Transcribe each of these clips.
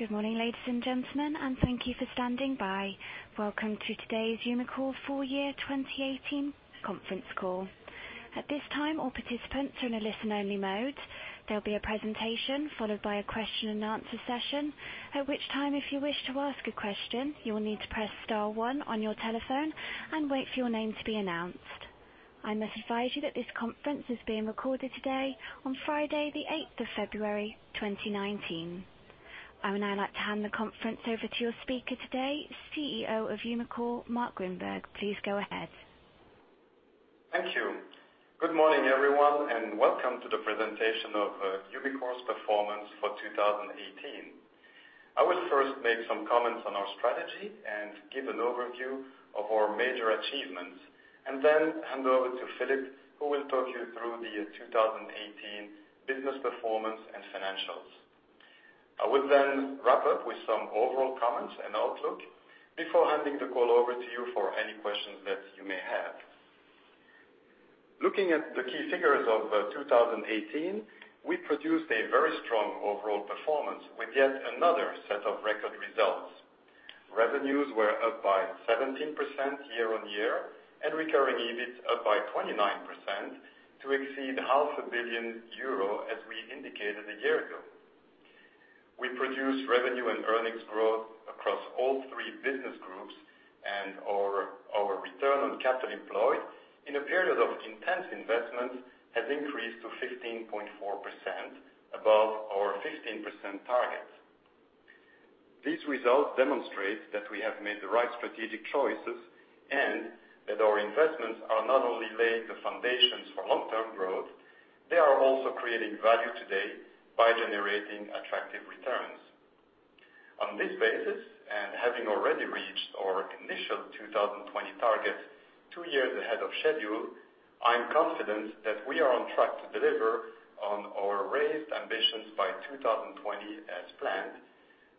Good morning, ladies and gentlemen, and thank you for standing by. Welcome to today's Umicore full year 2018 conference call. At this time, all participants are in a listen-only mode. There will be a presentation followed by a question and answer session. At which time, if you wish to ask a question, you will need to press star one on your telephone and wait for your name to be announced. I must advise you that this conference is being recorded today, on Friday the eighth of February, 2019. I would now like to hand the conference over to your speaker today, CEO of Umicore, Marc Grynberg. Please go ahead. Thank you. Good morning, everyone, and welcome to the presentation of Umicore's performance for 2018. I will first make some comments on our strategy and give an overview of our major achievements, hand over to Filip, who will talk you through the 2018 business performance and financials. I will wrap up with some overall comments and outlook before handing the call over to you for any questions that you may have. Looking at the key figures of 2018, we produced a very strong overall performance with yet another set of record results. Revenues were up by 17% year-on-year, recurring EBIT up by 29% to exceed half a billion EUR, as we indicated a year ago. We produced revenue and earnings growth across all three business groups, our return on capital employed in a period of intense investment has increased to 15.4%, above our 15% target. These results demonstrate that we have made the right strategic choices our investments are not only laying the foundations for long-term growth, they are also creating value today by generating attractive returns. On this basis, having already reached our initial 2020 target two years ahead of schedule, I am confident that we are on track to deliver on our raised ambitions by 2020 as planned,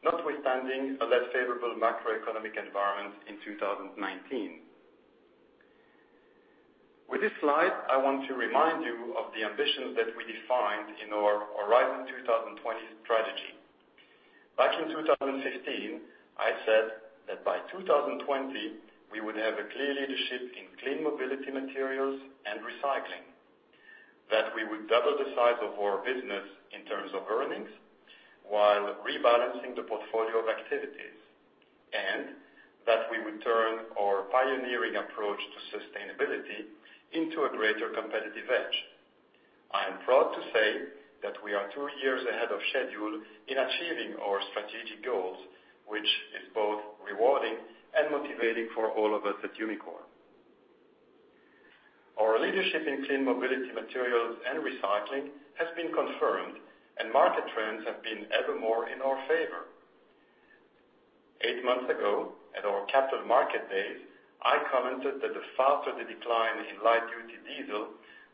notwithstanding a less favorable macroeconomic environment in 2019. With this slide, I want to remind you of the ambitions that we defined in our Horizon 2020 strategy. Back in 2015, I said that by 2020, we would have a clear leadership in clean mobility materials and recycling. That we would double the size of our business in terms of earnings while rebalancing the portfolio of activities, that we would turn our pioneering approach to sustainability into a greater competitive edge. I am proud to say that we are two years ahead of schedule in achieving our strategic goals, which is both rewarding and motivating for all of us at Umicore. Our leadership in clean mobility materials and recycling has been confirmed, market trends have been ever more in our favor. Eight months ago, at our Capital Market Days, I commented that the faster the decline in light duty diesel,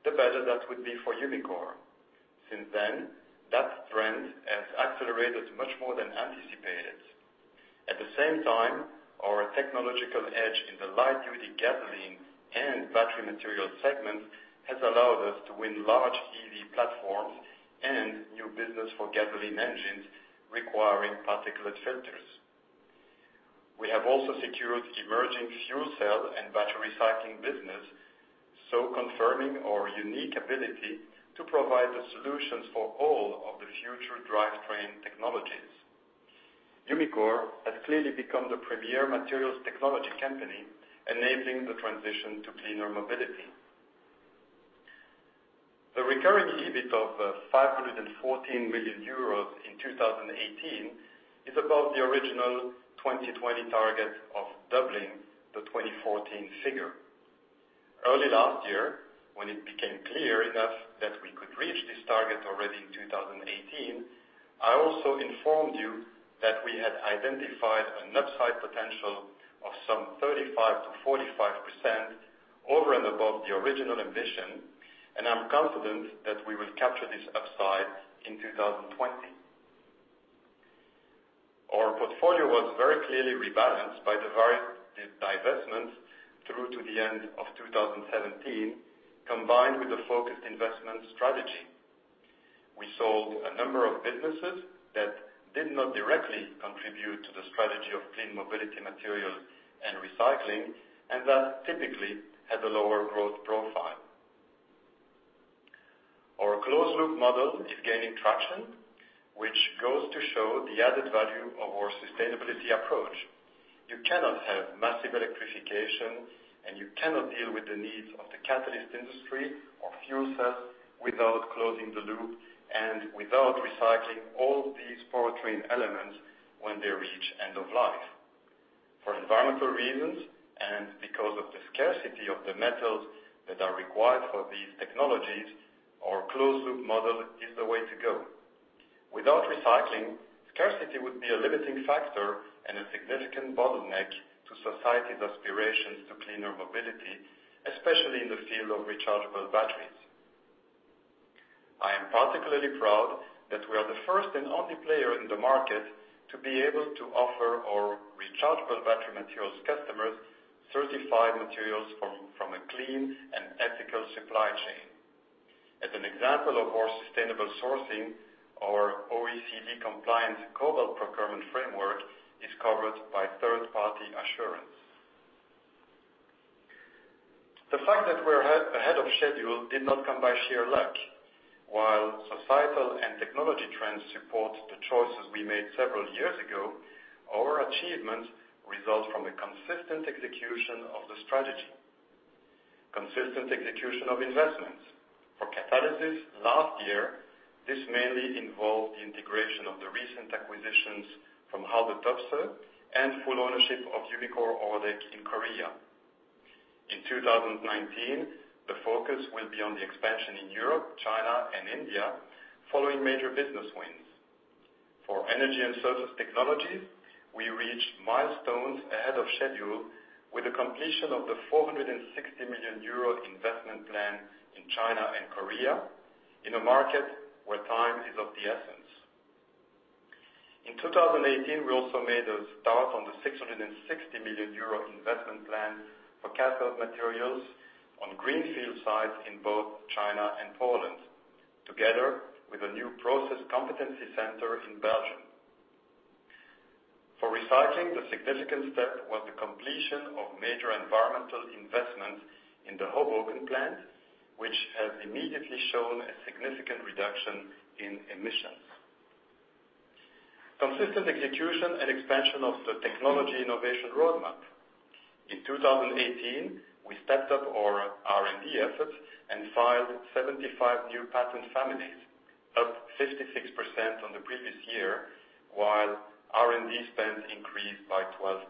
the better that would be for Umicore. Since then, that trend has accelerated much more than anticipated. At the same time, our technological edge in the light duty gasoline and battery material segment has allowed us to win large EV platforms and new business for gasoline engines requiring particulate filters. We have also secured emerging fuel cell and battery recycling business, confirming our unique ability to provide the solutions for all of the future drivetrain technologies. Umicore has clearly become the premier materials technology company enabling the transition to cleaner mobility. The recurring EBIT of 514 million euros in 2018 is above the original 2020 target of doubling the 2014 figure. Early last year, when it became clear enough that we could reach this target already in 2018, I also informed you that we had identified an upside potential of some 35%-45% over and above the original ambition. I'm confident that we will capture this upside in 2020. Our portfolio was very clearly rebalanced by the various divestments through to the end of 2017, combined with a focused investment strategy. We sold a number of businesses that did not directly contribute to the strategy of clean mobility materials and Recycling and that typically had a lower growth profile. Our closed-loop model is gaining traction, which goes to show the added value of our sustainability approach. You cannot have massive electrification, and you cannot deal with the needs of the catalyst industry or fuel cells without closing the loop and without recycling all these powertrain elements when they reach end of life. For environmental reasons and because of the scarcity of the metals that are required for these technologies, our closed-loop model is the way to go. Without recycling, scarcity would be a limiting factor and a significant bottleneck to society's aspirations to cleaner mobility, especially in the field of rechargeable batteries. I am particularly proud that we are the first and only player in the market to be able to offer our Rechargeable Battery Materials customers certified materials from a clean and ethical supply chain. Sample of our sustainable sourcing, our OECD compliance cobalt procurement framework is covered by third-party assurance. The fact that we are ahead of schedule did not come by sheer luck. While societal and technology trends support the choices we made several years ago, our achievement results from a consistent execution of the strategy. Consistent execution of investments. For Catalysis last year, this mainly involved the integration of the recent acquisitions from Haldor Topsøe and full ownership of Umicore Autocat in Korea. In 2019, the focus will be on the expansion in Europe, China, and India, following major business wins. For Energy & Surface Technologies, we reached milestones ahead of schedule with the completion of the 460 million euro investment plan in China and Korea, in a market where time is of the essence. In 2018, we also made a start on the 660 million euro investment plan for cathode materials on greenfield sites in both China and Poland, together with a new process competency center in Belgium. For Recycling, the significant step was the completion of major environmental investments in the Hoboken plant, which has immediately shown a significant reduction in emissions. Consistent execution and expansion of the technology innovation roadmap. In 2018, we stepped up our R&D efforts and filed 75 new patent families, up 56% on the previous year, while R&D spend increased by 12%.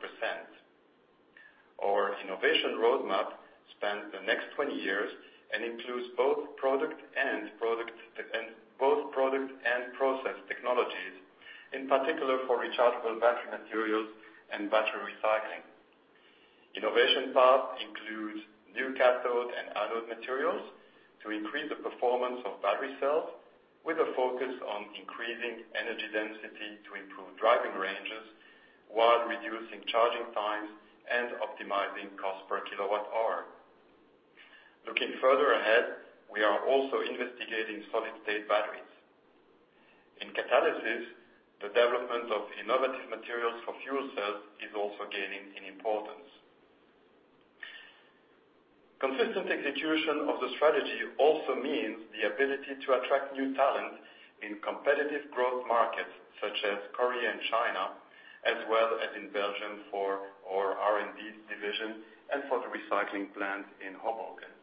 Our innovation roadmap spans the next 20 years and includes both product and process technologies, in particular for Rechargeable Battery Materials and battery recycling. Innovation path includes new cathode and anode materials to increase the performance of battery cells with a focus on increasing energy density to improve driving ranges, while reducing charging times and optimizing cost per kilowatt hour. Looking further ahead, we are also investigating solid state batteries. In Catalysis, the development of innovative materials for fuel cells is also gaining in importance. Consistent execution of the strategy also means the ability to attract new talent in competitive growth markets such as Korea and China, as well as in Belgium for our R&D division and for the recycling plant in Hoboken.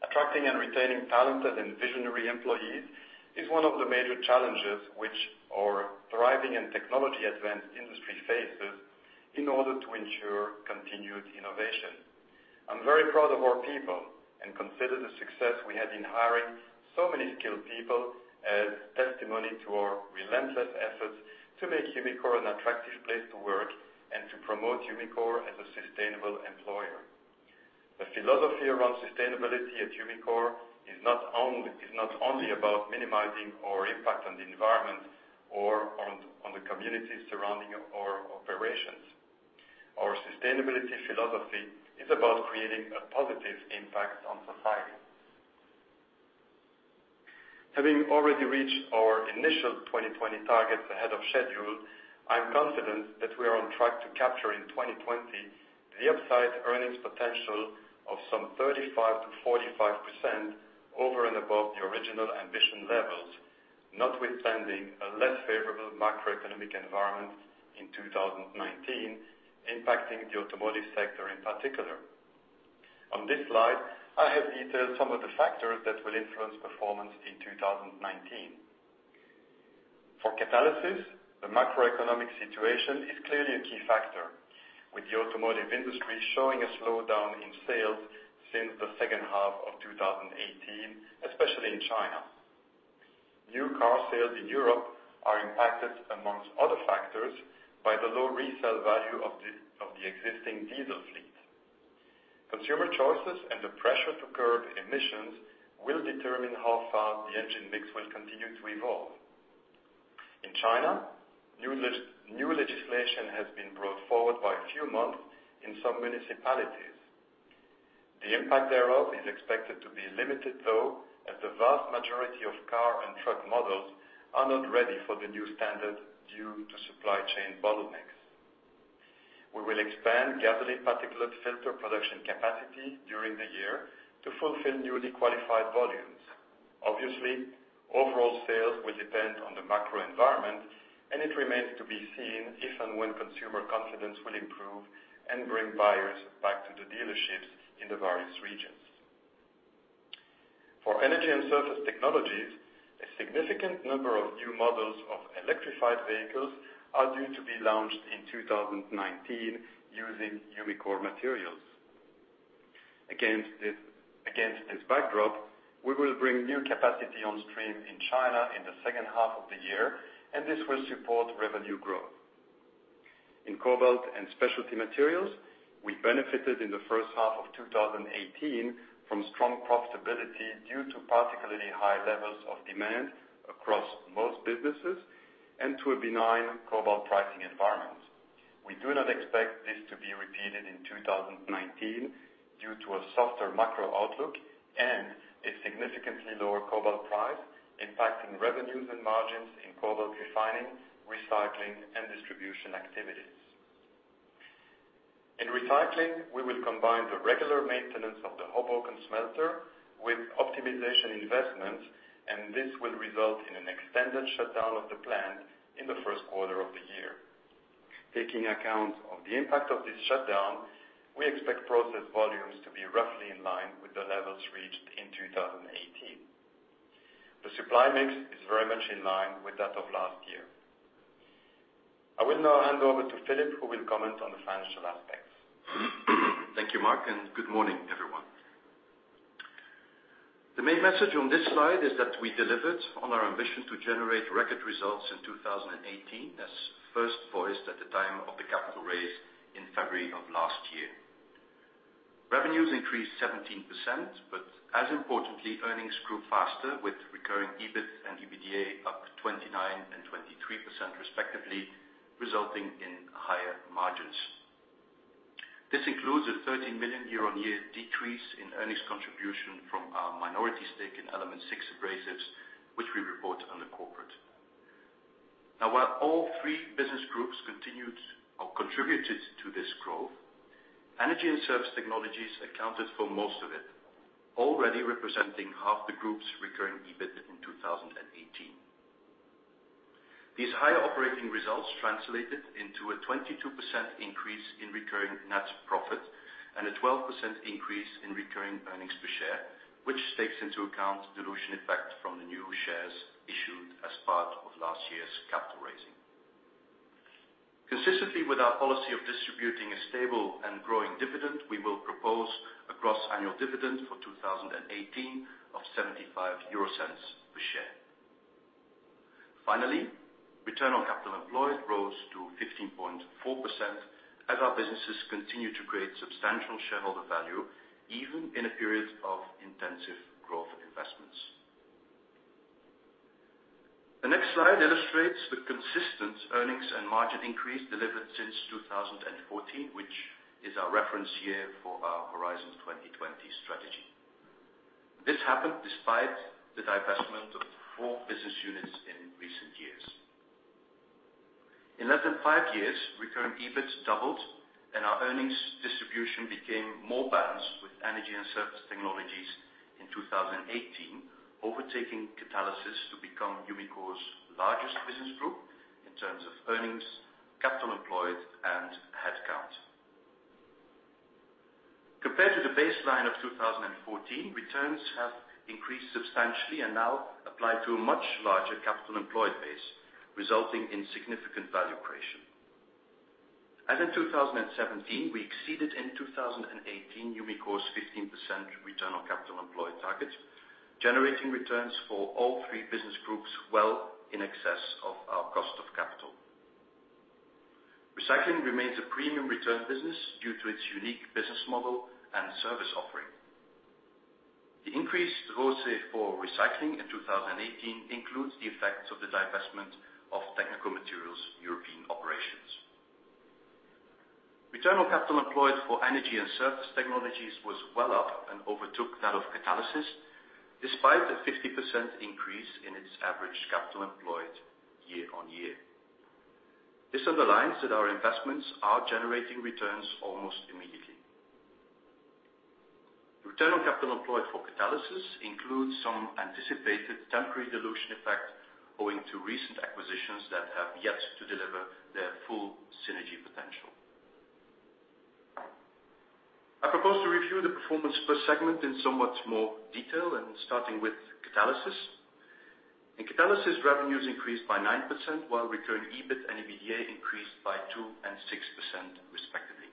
Attracting and retaining talented and visionary employees is one of the major challenges which our thriving and technology-advanced industry faces in order to ensure continued innovation. I'm very proud of our people and consider the success we had in hiring so many skilled people as testimony to our relentless efforts to make Umicore an attractive place to work and to promote Umicore as a sustainable employer. The philosophy around sustainability at Umicore is not only about minimizing our impact on the environment or on the communities surrounding our operations. Our sustainability philosophy is about creating a positive impact on society. Having already reached our initial 2020 targets ahead of schedule, I am confident that we are on track to capture in 2020 the upside earnings potential of some 35%-45% over and above the original ambition levels, notwithstanding a less favorable macroeconomic environment in 2019, impacting the automotive sector in particular. On this slide, I have detailed some of the factors that will influence performance in 2019. For Catalysis, the macroeconomic situation is clearly a key factor, with the automotive industry showing a slowdown in sales since the second half of 2018, especially in China. New car sales in Europe are impacted, amongst other factors, by the low resale value of the existing diesel fleet. Consumer choices and the pressure to curb emissions will determine how fast the engine mix will continue to evolve. In China, new legislation has been brought forward by a few months in some municipalities. The impact thereof is expected to be limited though, as the vast majority of car and truck models are not ready for the new standard due to supply chain bottlenecks. We will expand gasoline particulate filter production capacity during the year to fulfill newly qualified volumes. Obviously, overall sales will depend on the macro environment, and it remains to be seen if and when consumer confidence will improve and bring buyers back to the dealerships in the various regions. For Energy & Surface Technologies, a significant number of new models of electrified vehicles are due to be launched in 2019 using Umicore materials. Against this backdrop, we will bring new capacity on stream in China in the second half of the year, and this will support revenue growth. In Cobalt & Specialty Materials, we benefited in the first half of 2018 from strong profitability due to particularly high levels of demand across most businesses and to a benign cobalt pricing environment. We do not expect this to be repeated in 2019 due to a softer macro outlook and a significantly lower cobalt price impacting revenues and margins in cobalt refining, recycling, and distribution activities. In recycling, we will combine the regular maintenance of the Hoboken smelter with optimization investments. This will result in an extended shutdown of the plant in the first quarter of the year. Taking account of the impact of this shutdown, we expect process volumes to be roughly in line with the levels reached in 2018. The supply mix is very much in line with that of last year. I will now hand over to Filip, who will comment on the financial aspects. Thank you, Marc, good morning, everyone. The main message on this slide is that we delivered on our ambition to generate record results in 2018, as first voiced at the time of the capital raise in February of last year. Revenues increased 17%. As importantly, earnings grew faster, with recurring EBIT and EBITDA up 29% and 23% respectively, resulting in higher margins. This includes a 30 million year-on-year decrease in earnings contribution from our minority stake in Element Six Abrasives, which we report under corporate. While all three business groups continued or contributed to this growth, Energy & Surface Technologies accounted for most of it, already representing half the group's recurring EBIT in 2018. These higher operating results translated into a 22% increase in recurring net profit and a 12% increase in recurring earnings per share, which takes into account dilution effect from the new shares issued as part of last year's capital raising. Consistently with our policy of distributing a stable and growing dividend, we will propose a gross annual dividend for 2018 of 0.75 per share. Finally, return on capital employed rose to 15.4% as our businesses continue to create substantial shareholder value, even in a period of intensive growth investments. The next slide illustrates the consistent earnings and margin increase delivered since 2014, which is our reference year for our Horizon 2020 strategy. This happened despite the divestment of four business units in recent years. In less than five years, recurring EBIT doubled and our earnings distribution became more balanced, with Energy & Surface Technologies in 2018 overtaking Catalysis to become Umicore's largest business group in terms of earnings, capital employed, and headcount. Compared to the baseline of 2014, returns have increased substantially and now apply to a much larger capital employed base, resulting in significant value creation. As in 2017, we exceeded in 2018 Umicore's 15% return on capital employed target, generating returns for all three business groups well in excess of our cost of capital. Recycling remains a premium return business due to its unique business model and service offering. The increased ROCE for Recycling in 2018 includes the effects of the divestment of Technical Materials European operations. Return on capital employed for Energy & Surface Technologies was well up and overtook that of Catalysis, despite a 50% increase in its average capital employed year-on-year. This underlines that our investments are generating returns almost immediately. Return on capital employed for Catalysis includes some anticipated temporary dilution effect owing to recent acquisitions that have yet to deliver their full synergy potential. I propose to review the performance per segment in somewhat more detail and starting with Catalysis. In Catalysis, revenues increased by 9%, while recurring EBIT and EBITDA increased by 2% and 6% respectively.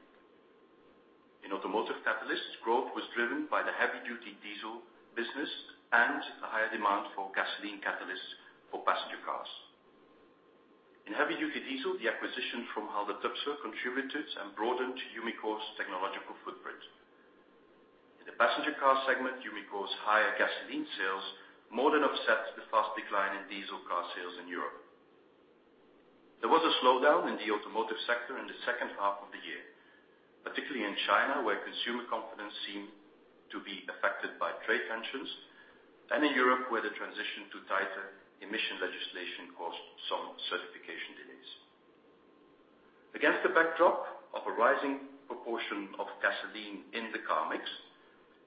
In Automotive Catalysts, growth was driven by the heavy-duty diesel business and a higher demand for gasoline catalysts for passenger cars. In heavy-duty diesel, the acquisition from Haldor Topsøe contributed and broadened Umicore's technological footprint. In the passenger car segment, Umicore's higher gasoline sales more than offset the fast decline in diesel car sales in Europe. There was a slowdown in the automotive sector in the second half of the year, particularly in China, where consumer confidence seemed to be affected by trade tensions, and in Europe, where the transition to tighter emission legislation caused some certification delays. Against the backdrop of a rising proportion of gasoline in the car mix,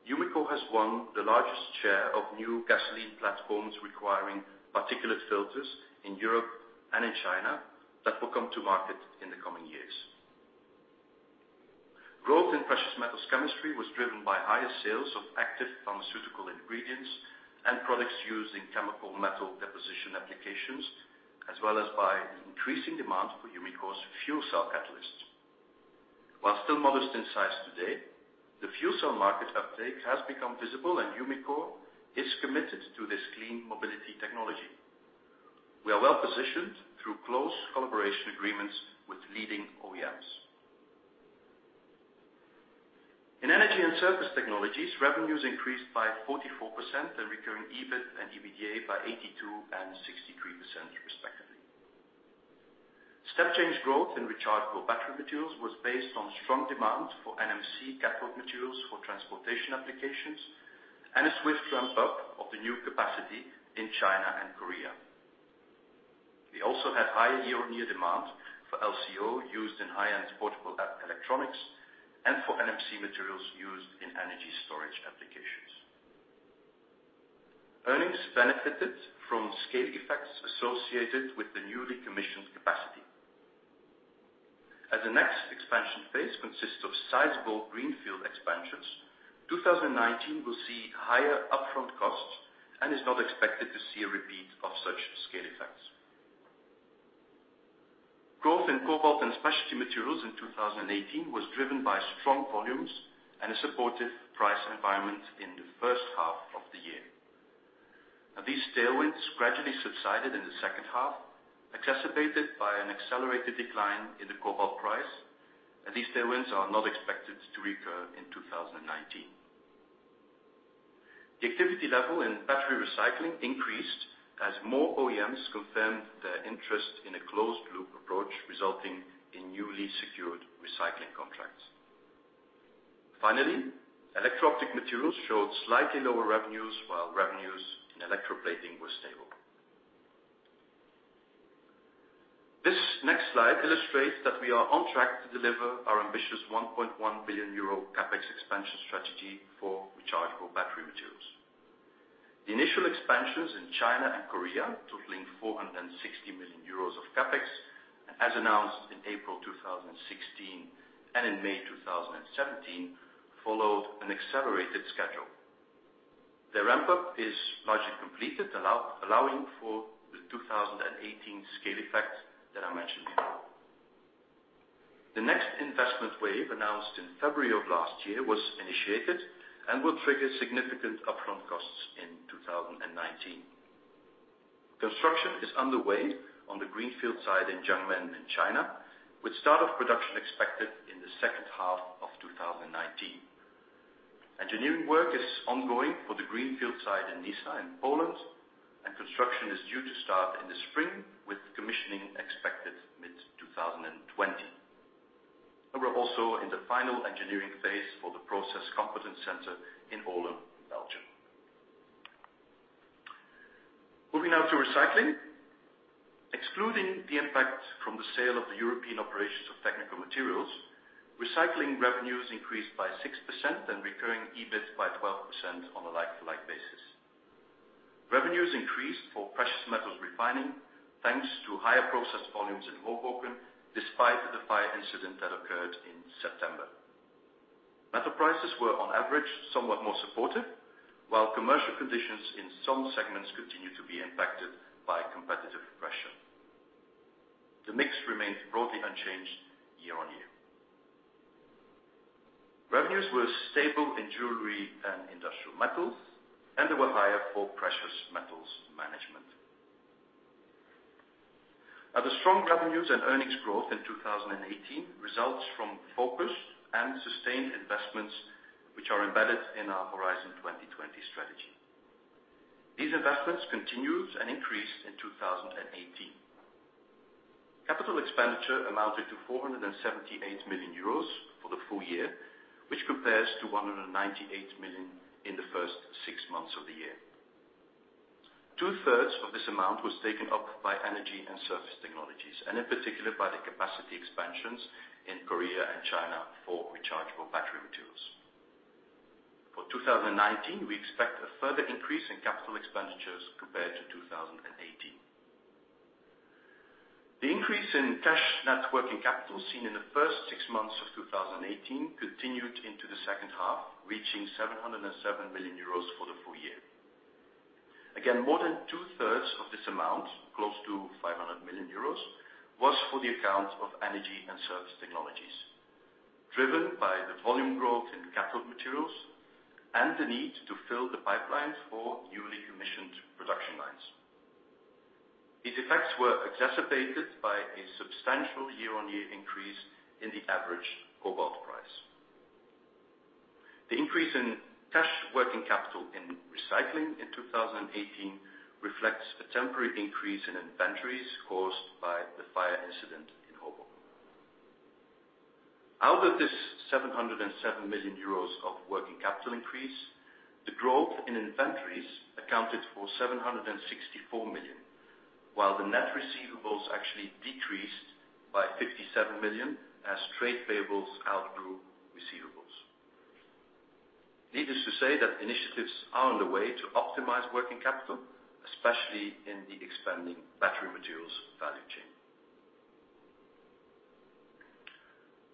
Umicore has won the largest share of new gasoline platforms requiring particulate filters in Europe and in China that will come to market in the coming years. Growth in Precious Metals Chemistry was driven by higher sales of active pharmaceutical ingredients and products used in chemical metal deposition applications, as well as by increasing demand for Umicore's fuel cell catalysts. While still modest in size today, the fuel cell market uptake has become visible, and Umicore is committed to this clean mobility technology. We are well positioned through close collaboration agreements with leading OEMs. In Energy & Surface Technologies, revenues increased by 44%, and recurring EBIT and EBITDA by 82% and 63%, respectively. Step change growth in Rechargeable Battery Materials was based on strong demand for NMC cathode materials for transportation applications, and a swift ramp-up of the new capacity in China and Korea. We also had high year-on-year demand for LCO, used in high-end portable electronics and for NMC materials used in energy storage applications. Earnings benefited from scaling effects associated with the newly commissioned capacity. As the next expansion phase consists of sizable greenfield expansions, 2019 will see higher upfront costs and is not expected to see a repeat of such scale effects. Growth in Cobalt & Specialty Materials in 2018 was driven by strong volumes and a supportive price environment in the first half of the year. These tailwinds gradually subsided in the second half, exacerbated by an accelerated decline in the cobalt price, and these tailwinds are not expected to recur in 2019. The activity level in battery recycling increased as more OEMs confirmed their interest in a closed-loop approach, resulting in newly secured recycling contracts. Finally, electro-optic materials showed slightly lower revenues, while revenues in electroplating were stable. This next slide illustrates that we are on track to deliver our ambitious 1.1 billion euro CapEx expansion strategy for Rechargeable Battery Materials. The initial expansions in China and Korea, totaling 460 million euros of CapEx, as announced in April 2016 and in May 2017, followed an accelerated schedule. The ramp-up is largely completed, allowing for the 2018 scale effect that I mentioned before. The next investment wave, announced in February of last year, was initiated and will trigger significant upfront costs in 2019. Construction is underway on the greenfield site in Jiangmen in China, with start of production expected in the second half of 2019. Engineering work is ongoing for the greenfield site in Nysa in Poland, and construction is due to start in the spring, with commissioning expected mid-2020. We're also in the final engineering phase for the process competence center in Olen, Belgium. Moving now to Recycling. Excluding the impact from the sale of the European operations of Technical Materials, Recycling revenues increased by 6% and recurring EBIT by 12% on a like-to-like basis. Revenues increased for Precious Metals Refining thanks to higher processed volumes in Hoboken, despite the fire incident that occurred in September. Metal prices were on average, somewhat more supportive, while commercial conditions in some segments continued to be impacted by competitive pressure. The mix remained broadly unchanged year-on-year. Revenues were stable in Jewelry & Industrial Metals, and they were higher for Precious Metals Management. This implies that the strong revenues and earnings growth in 2018 results from focused and sustained investments, which are embedded in our Horizon 2020 strategy. These investments continued and increased in 2018. CapEx amounted to 478 million euros for the full year, which compares to 198 million in the first six months of the year. 2/3 of this amount was taken up by Energy & Surface Technologies, and in particular by the capacity expansions in Korea and China for Rechargeable Battery Materials. For 2019, we expect a further increase in CapEx compared to 2018. The increase in cash net working capital seen in the first six months of 2018 continued into the second half, reaching 707 million euros for the full year. More than two-thirds of this amount, close to 500 million euros, was for the account of Energy & Surface Technologies, driven by the volume growth in cathode materials and the need to fill the pipelines for newly commissioned production lines. These effects were exacerbated by a substantial year-on-year increase in the average cobalt price. The increase in cash working capital in Recycling in 2018 reflects a temporary increase in inventories caused by the fire incident in Hoboken. Out of this 707 million euros of working capital increase, the growth in inventories accounted for 764 million, while the net receivables actually decreased by 57 million as trade payables outgrew receivables. Needless to say that initiatives are underway to optimize working capital, especially in the expanding battery materials value chain.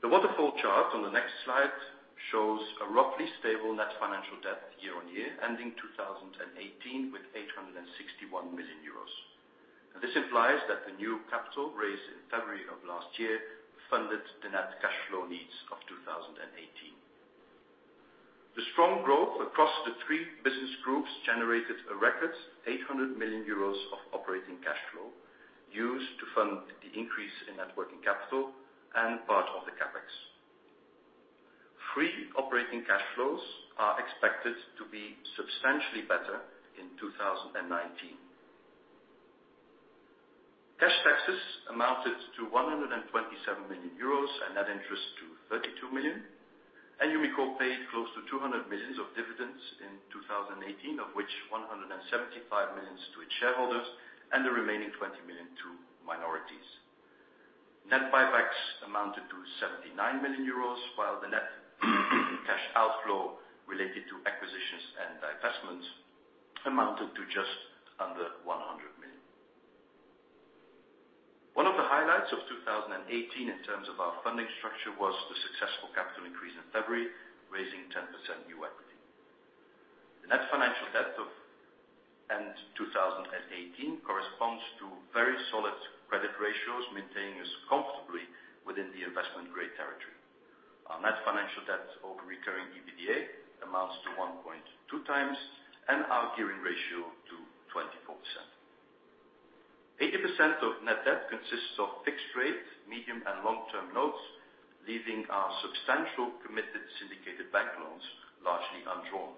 The waterfall chart on the next slide shows a roughly stable net financial debt year-on-year, ending 2018 with 861 million euros. This implies that the new capital raised in February of last year funded the net cash flow needs of 2018. The strong growth across the three business groups generated a record 800 million euros of operating cash flow used to fund the increase in net working capital and part of the CapEx. Free operating cash flows are expected to be substantially better in 2019. Cash taxes amounted to 127 million euros and net interest to 32 million, and Umicore paid close to 200 million of dividends in 2018, of which 175 million to its shareholders and the remaining 20 million to minorities. Net Buybacks amounted to 79 million euros, while the net cash outflow related to acquisitions and divestments amounted to just under 100 million. One of the highlights of 2018 in terms of our funding structure was the successful capital increase in February, raising 10% new equity. The net financial debt of end 2018 corresponds to very solid credit ratios, maintaining us comfortably within the investment-grade territory. Our net financial debt of recurring EBITDA amounts to 1.2 times and our gearing ratio to 24%. 80% of net debt consists of fixed rate, medium and long-term notes, leaving our substantial committed syndicated bank loans largely undrawn.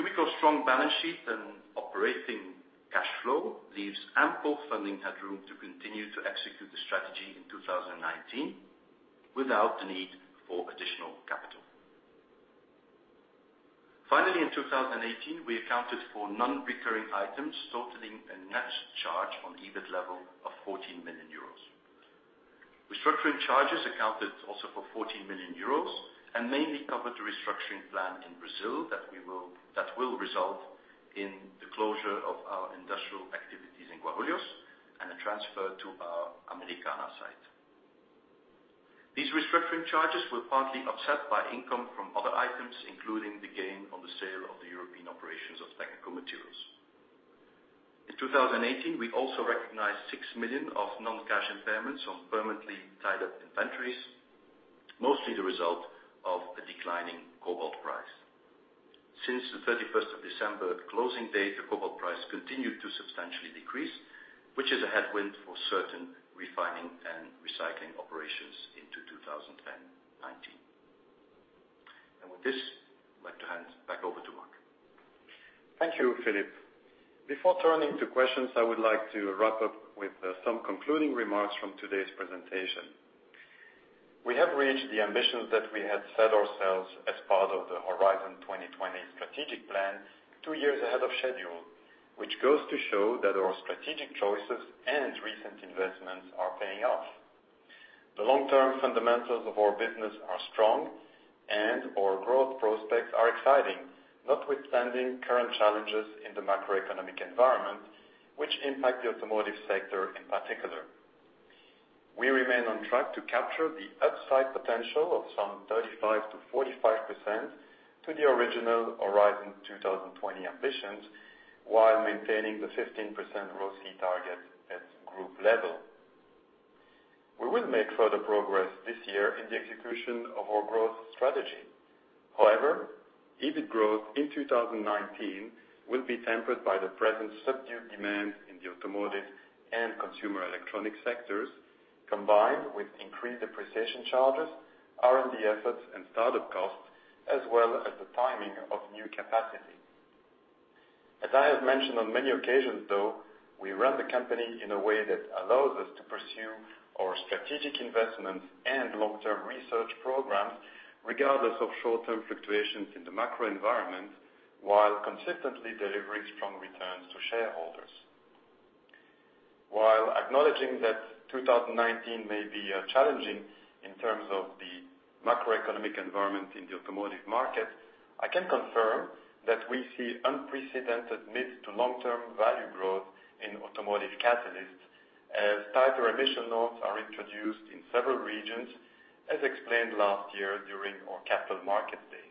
Umicore's strong balance sheet and operating cash flow leaves ample funding headroom to continue to execute the strategy in 2019 without the need for additional capital. Finally, in 2018, we accounted for non-recurring items totaling a net charge on EBIT level of 14 million euros. Restructuring charges accounted also for 14 million euros and mainly covered the restructuring plan in Brazil, that will result in the closure of our industrial activities in Guarulhos and a transfer to our Americana site. These restructuring charges were partly offset by income from other items, including the gain on the sale of the European operations of Technical Materials. In 2018, we also recognized 6 million of non-cash impairments on permanently tied-up inventories, mostly the result of the declining cobalt price. Since the 31st of December, the closing date, the cobalt price continued to substantially decrease, which is a headwind for certain refining and recycling operations into 2019. With this, I'd like to hand back over to Marc. Thank you, Filip. Before turning to questions, I would like to wrap up with some concluding remarks from today's presentation. We have reached the ambitions that we had set ourselves as part of the Horizon 2020 strategic plan two years ahead of schedule, which goes to show that our strategic choices and recent investments are paying off. The long-term fundamentals of our business are strong, and our growth prospects are exciting. Notwithstanding current challenges in the macroeconomic environment, which impact the automotive sector in particular. We remain on track to capture the upside potential of some 35%-45% to the original Horizon 2020 ambitions, while maintaining the 15% ROCE target at group level. We will make further progress this year in the execution of our growth strategy. However, EBIT growth in 2019 will be tempered by the present subdued demand in the automotive and consumer electronic sectors, combined with increased depreciation charges, R&D efforts, and start-up costs, as well as the timing of new capacity. As I have mentioned on many occasions, though, we run the company in a way that allows us to pursue our strategic investments and long-term research programs regardless of short-term fluctuations in the macro environment, while consistently delivering strong returns to shareholders. While acknowledging that 2019 may be challenging in terms of the macroeconomic environment in the automotive market, I can confirm that we see unprecedented mid- to long-term value growth in automotive catalysts as tighter emission norms are introduced in several regions, as explained last year during our Capital Market Day.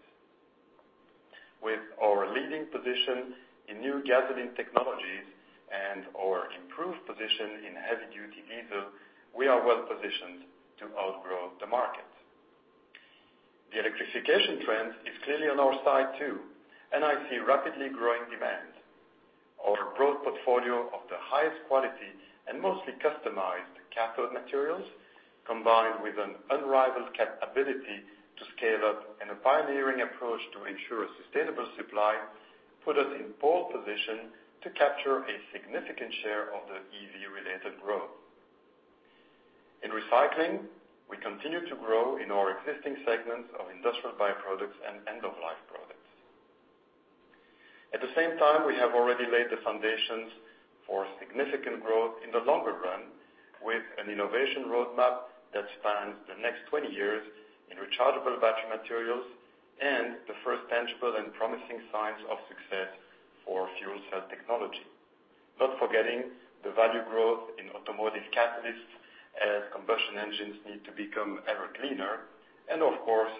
With our leading position in new gasoline technologies and our improved position in heavy-duty diesel, we are well positioned to outgrow the market. The electrification trend is clearly on our side too, and I see rapidly growing demand. Our broad portfolio of the highest quality and mostly customized cathode materials, combined with an unrivaled capability to scale up and a pioneering approach to ensure a sustainable supply, put us in pole position to capture a significant share of the EV-related growth. In recycling, we continue to grow in our existing segments of industrial by-products and end-of-life products. At the same time, we have already laid the foundations for significant growth in the longer run, with an innovation roadmap that spans the next 20 years in rechargeable battery materials and the first tangible and promising signs of success for fuel cell technology. Not forgetting the value growth in Automotive Catalysts as combustion engines need to become ever cleaner, and of course,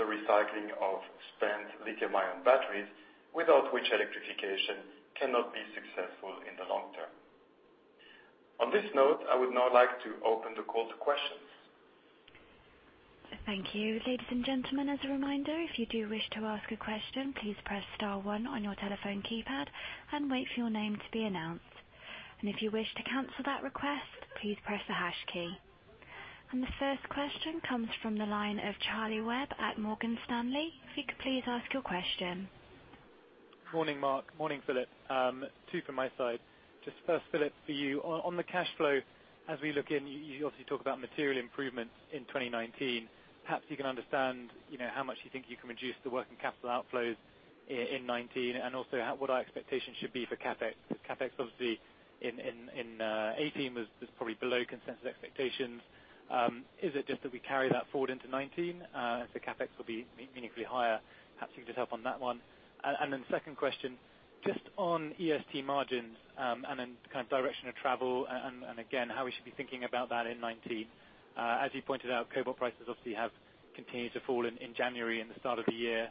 the recycling of spent lithium-ion batteries, without which electrification cannot be successful in the long term. On this note, I would now like to open the call to questions. Thank you. Ladies and gentlemen, as a reminder, if you do wish to ask a question, please press star one on your telephone keypad and wait for your name to be announced. If you wish to cancel that request, please press the hash key. The first question comes from the line of Charlie Webb at Morgan Stanley. If you could please ask your question. Morning, Marc. Morning, Filip. Two from my side. First, Filip, for you. On the cash flow as we look in, you obviously talk about material improvements in 2019. Perhaps you can understand how much you think you can reduce the working capital outflows in 2019, and also what our expectation should be for CapEx. CapEx, obviously in 2018 was probably below consensus expectations. Is it just that we carry that forward into 2019, if the CapEx will be meaningfully higher? Perhaps you could help on that one. Second question, on E&ST margins, and kind of direction of travel and again, how we should be thinking about that in 2019. As you pointed out, cobalt prices obviously have continued to fall in January and the start of the year.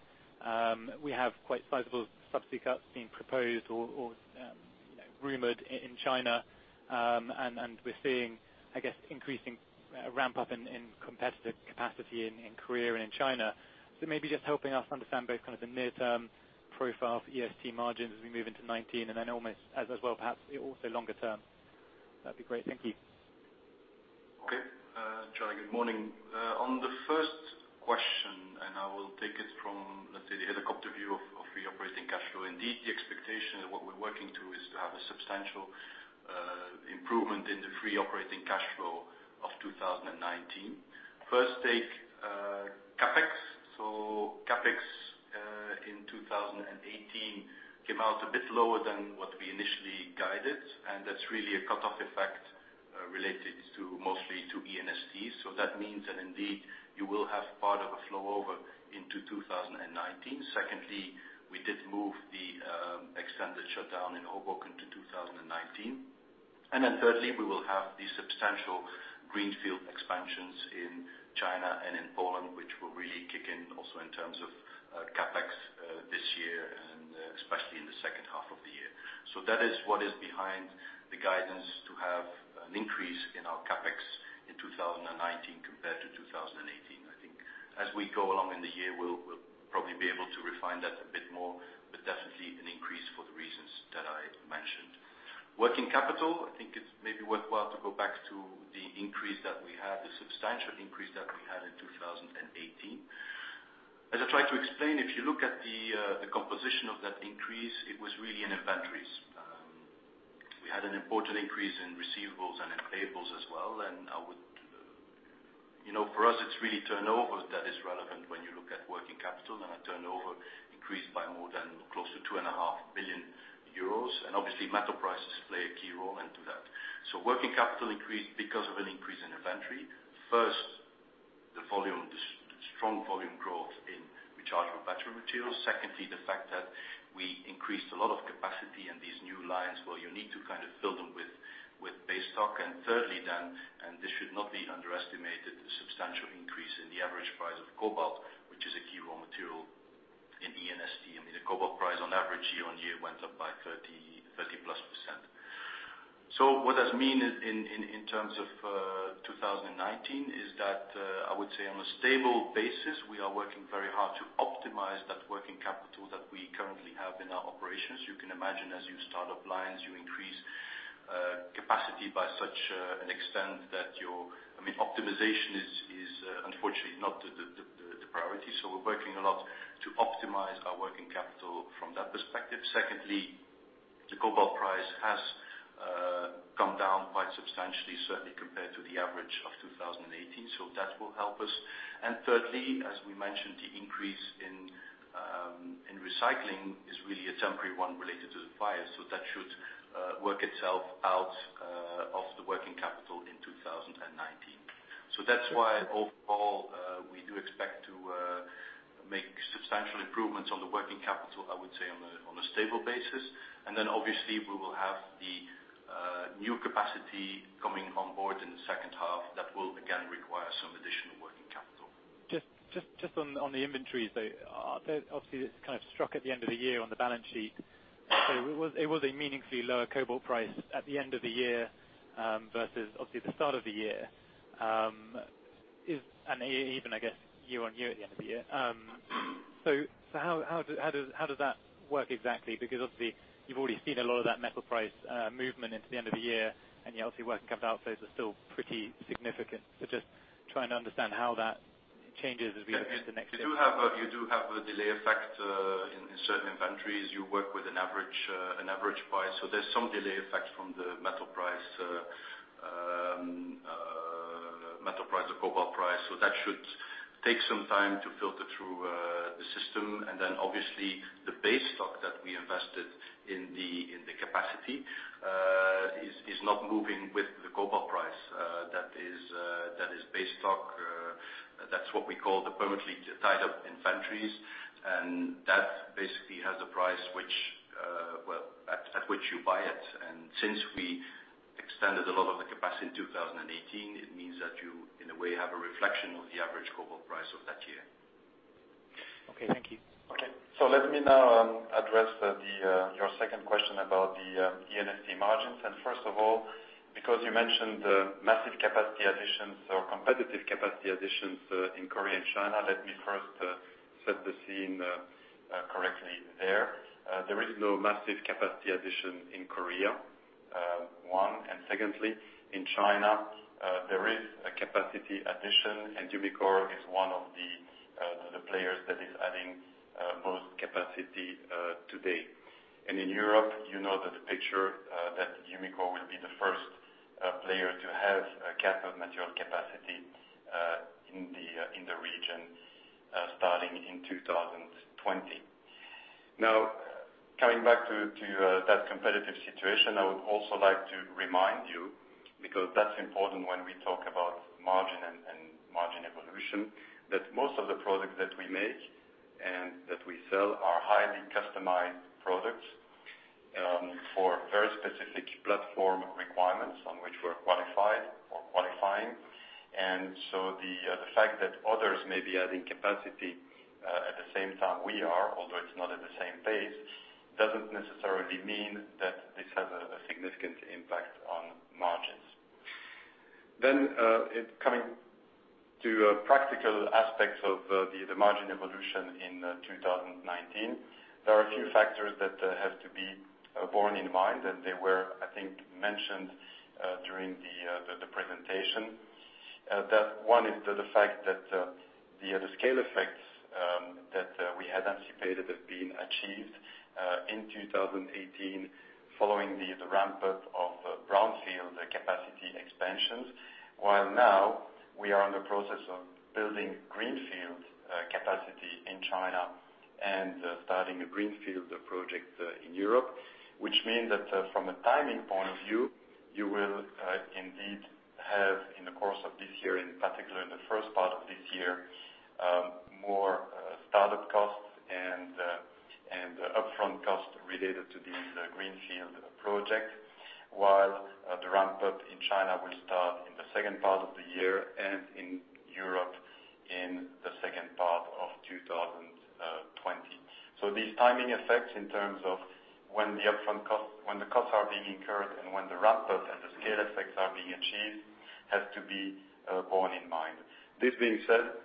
We have quite sizable subsidy cuts being proposed or rumored in China. We're seeing, I guess, increasing ramp up in competitive capacity in Korea and in China. Maybe helping us understand both kind of the near term profile for E&ST margins as we move into 2019 and almost, as well, perhaps also longer term. That would be great. Thank you. Charlie, good morning. On the first question, I will take it from, let's say, the helicopter view of free operating cash flow. Indeed, the expectation of what we're working to is to have a substantial improvement in the free operating cash flow of 2019. First take, CapEx. CapEx in 2018 came out a bit lower than what we initially guided, and that's really a cutoff effect related mostly to E&ST. That means that indeed you will have part of a flow over into 2019. Secondly, we did move the extended shutdown in Hoboken to 2019. Thirdly, we will have the substantial greenfield expansions in China and in Poland, which will really kick in also in terms of CapEx this year, and especially in the second half of the year. That is what is behind the guidance to have an increase in our CapEx in 2019 compared to 2018. I think as we go along in the year, we will probably be able to refine that a bit more, but definitely an increase for the reasons that I mentioned. Working capital, I think it's maybe worthwhile to go back to the increase that we had, the substantial increase that we had in 2018. As I tried to explain, if you look at the composition of that increase, it was really in inventories. We had an important increase in receivables and in payables as well, and for us, it's really turnover that is relevant when you look at working capital, and our turnover increased by more than close to 2.5 billion euros. Obviously metal prices play a key role into that. Working capital increased because of an increase in inventory. First, the strong volume growth in Rechargeable Battery Materials. Secondly, the fact that we increased a lot of capacity in these new lines, where you need to kind of fill them with base stock. Thirdly then, and this should not be underestimated, the substantial increase in the average price of cobalt, which is a key raw material in E&ST. I mean, the cobalt price on average year-on-year went up by 30+%. What that means in terms of 2019 is that, I would say on a stable basis, we are working very hard to optimize that working capital that we currently have in our operations. You can imagine as you start up lines, you increase capacity by such an extent that your optimization is unfortunately not the priority. We're working a lot to optimize our working capital from that perspective. Secondly, the cobalt price has come down quite substantially, certainly compared to the average of 2018, so that will help us. Thirdly, as we mentioned, the increase in Recycling is really a temporary one related to the fire, so that should work itself out of the working capital in 2019. That's why overall, we do expect to make substantial improvements on the working capital, I would say on a stable basis. Then obviously we will have the new capacity coming on board in the second half. That will again require some additional working capital. Just on the inventories, though, obviously this kind of struck at the end of the year on the balance sheet. It was a meaningfully lower cobalt price at the end of the year, versus obviously the start of the year. Even, I guess, year-on-year at the end of the year. How does that work exactly? Because obviously you've already seen a lot of that metal price movement into the end of the year, and yet obviously working capital outflows are still pretty significant. Just trying to understand how that changes as we look to the next year. You do have a delay effect in certain inventories. You work with an average price. There's some delay effect from the metal price of cobalt price. Then obviously the base stock that we invested in the capacity is not moving with the cobalt price. That is base stock. That's what we call the permanently tied up inventories. That basically has a price at which you buy it. Since we extended a lot of the capacity in 2018, it means that you, in a way, have a reflection of the average cobalt price of that year. Okay, thank you. Okay. Let me now address your second question about the E&ST margins. First of all, because you mentioned massive capacity additions or competitive capacity additions in Korea and China, let me first set the scene correctly there. There is no massive capacity addition in Korea, one. Secondly, in China, there is a capacity addition, and Umicore is one of the players that is adding both capacity today. In Europe, you know the picture that Umicore will be the first player to have a cathode material capacity in the region starting in 2020. Coming back to that competitive situation, I would also like to remind you, because that's important when we talk about margin and margin evolution, that most of the products that we make and that we sell are highly customized products for very specific platform requirements on which we're qualified or qualifying. The fact that others may be adding capacity at the same time we are, although it's not at the same pace, doesn't necessarily mean that this has a significant impact on margins. Coming to practical aspects of the margin evolution in 2019, there are a few factors that have to be borne in mind, and they were, I think, mentioned during the presentation. One is the fact that the scale effects that we had anticipated have been achieved in 2018 following the ramp-up of brownfield capacity expansions. While now we are in the process of building greenfield capacity in China and starting a greenfield project in Europe. Which means that from a timing point of view, you will indeed have, in the course of this year, in particular in the first part of this year, more startup costs and upfront costs related to these greenfield projects, while the ramp-up in China will start in the second part of the year and in Europe in the second part of 2020. These timing effects in terms of when the costs are being incurred and when the ramp-ups and the scale effects are being achieved has to be borne in mind. This being said,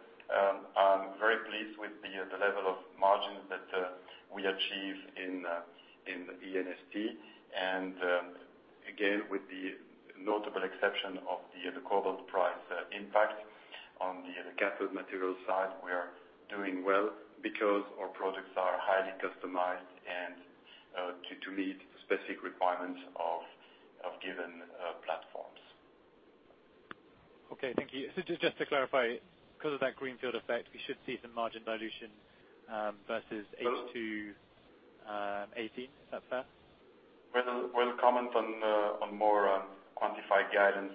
I'm very pleased with the level of margins that we achieve in E&ST. Again, with the notable exception of the cobalt price impact on the cathode material side, we are doing well because our products are highly customized and to meet specific requirements of given platforms. Okay, thank you. Just to clarify, because of that greenfield effect, we should see some margin dilution versus H2 2018. Is that fair? We'll comment on more quantified guidance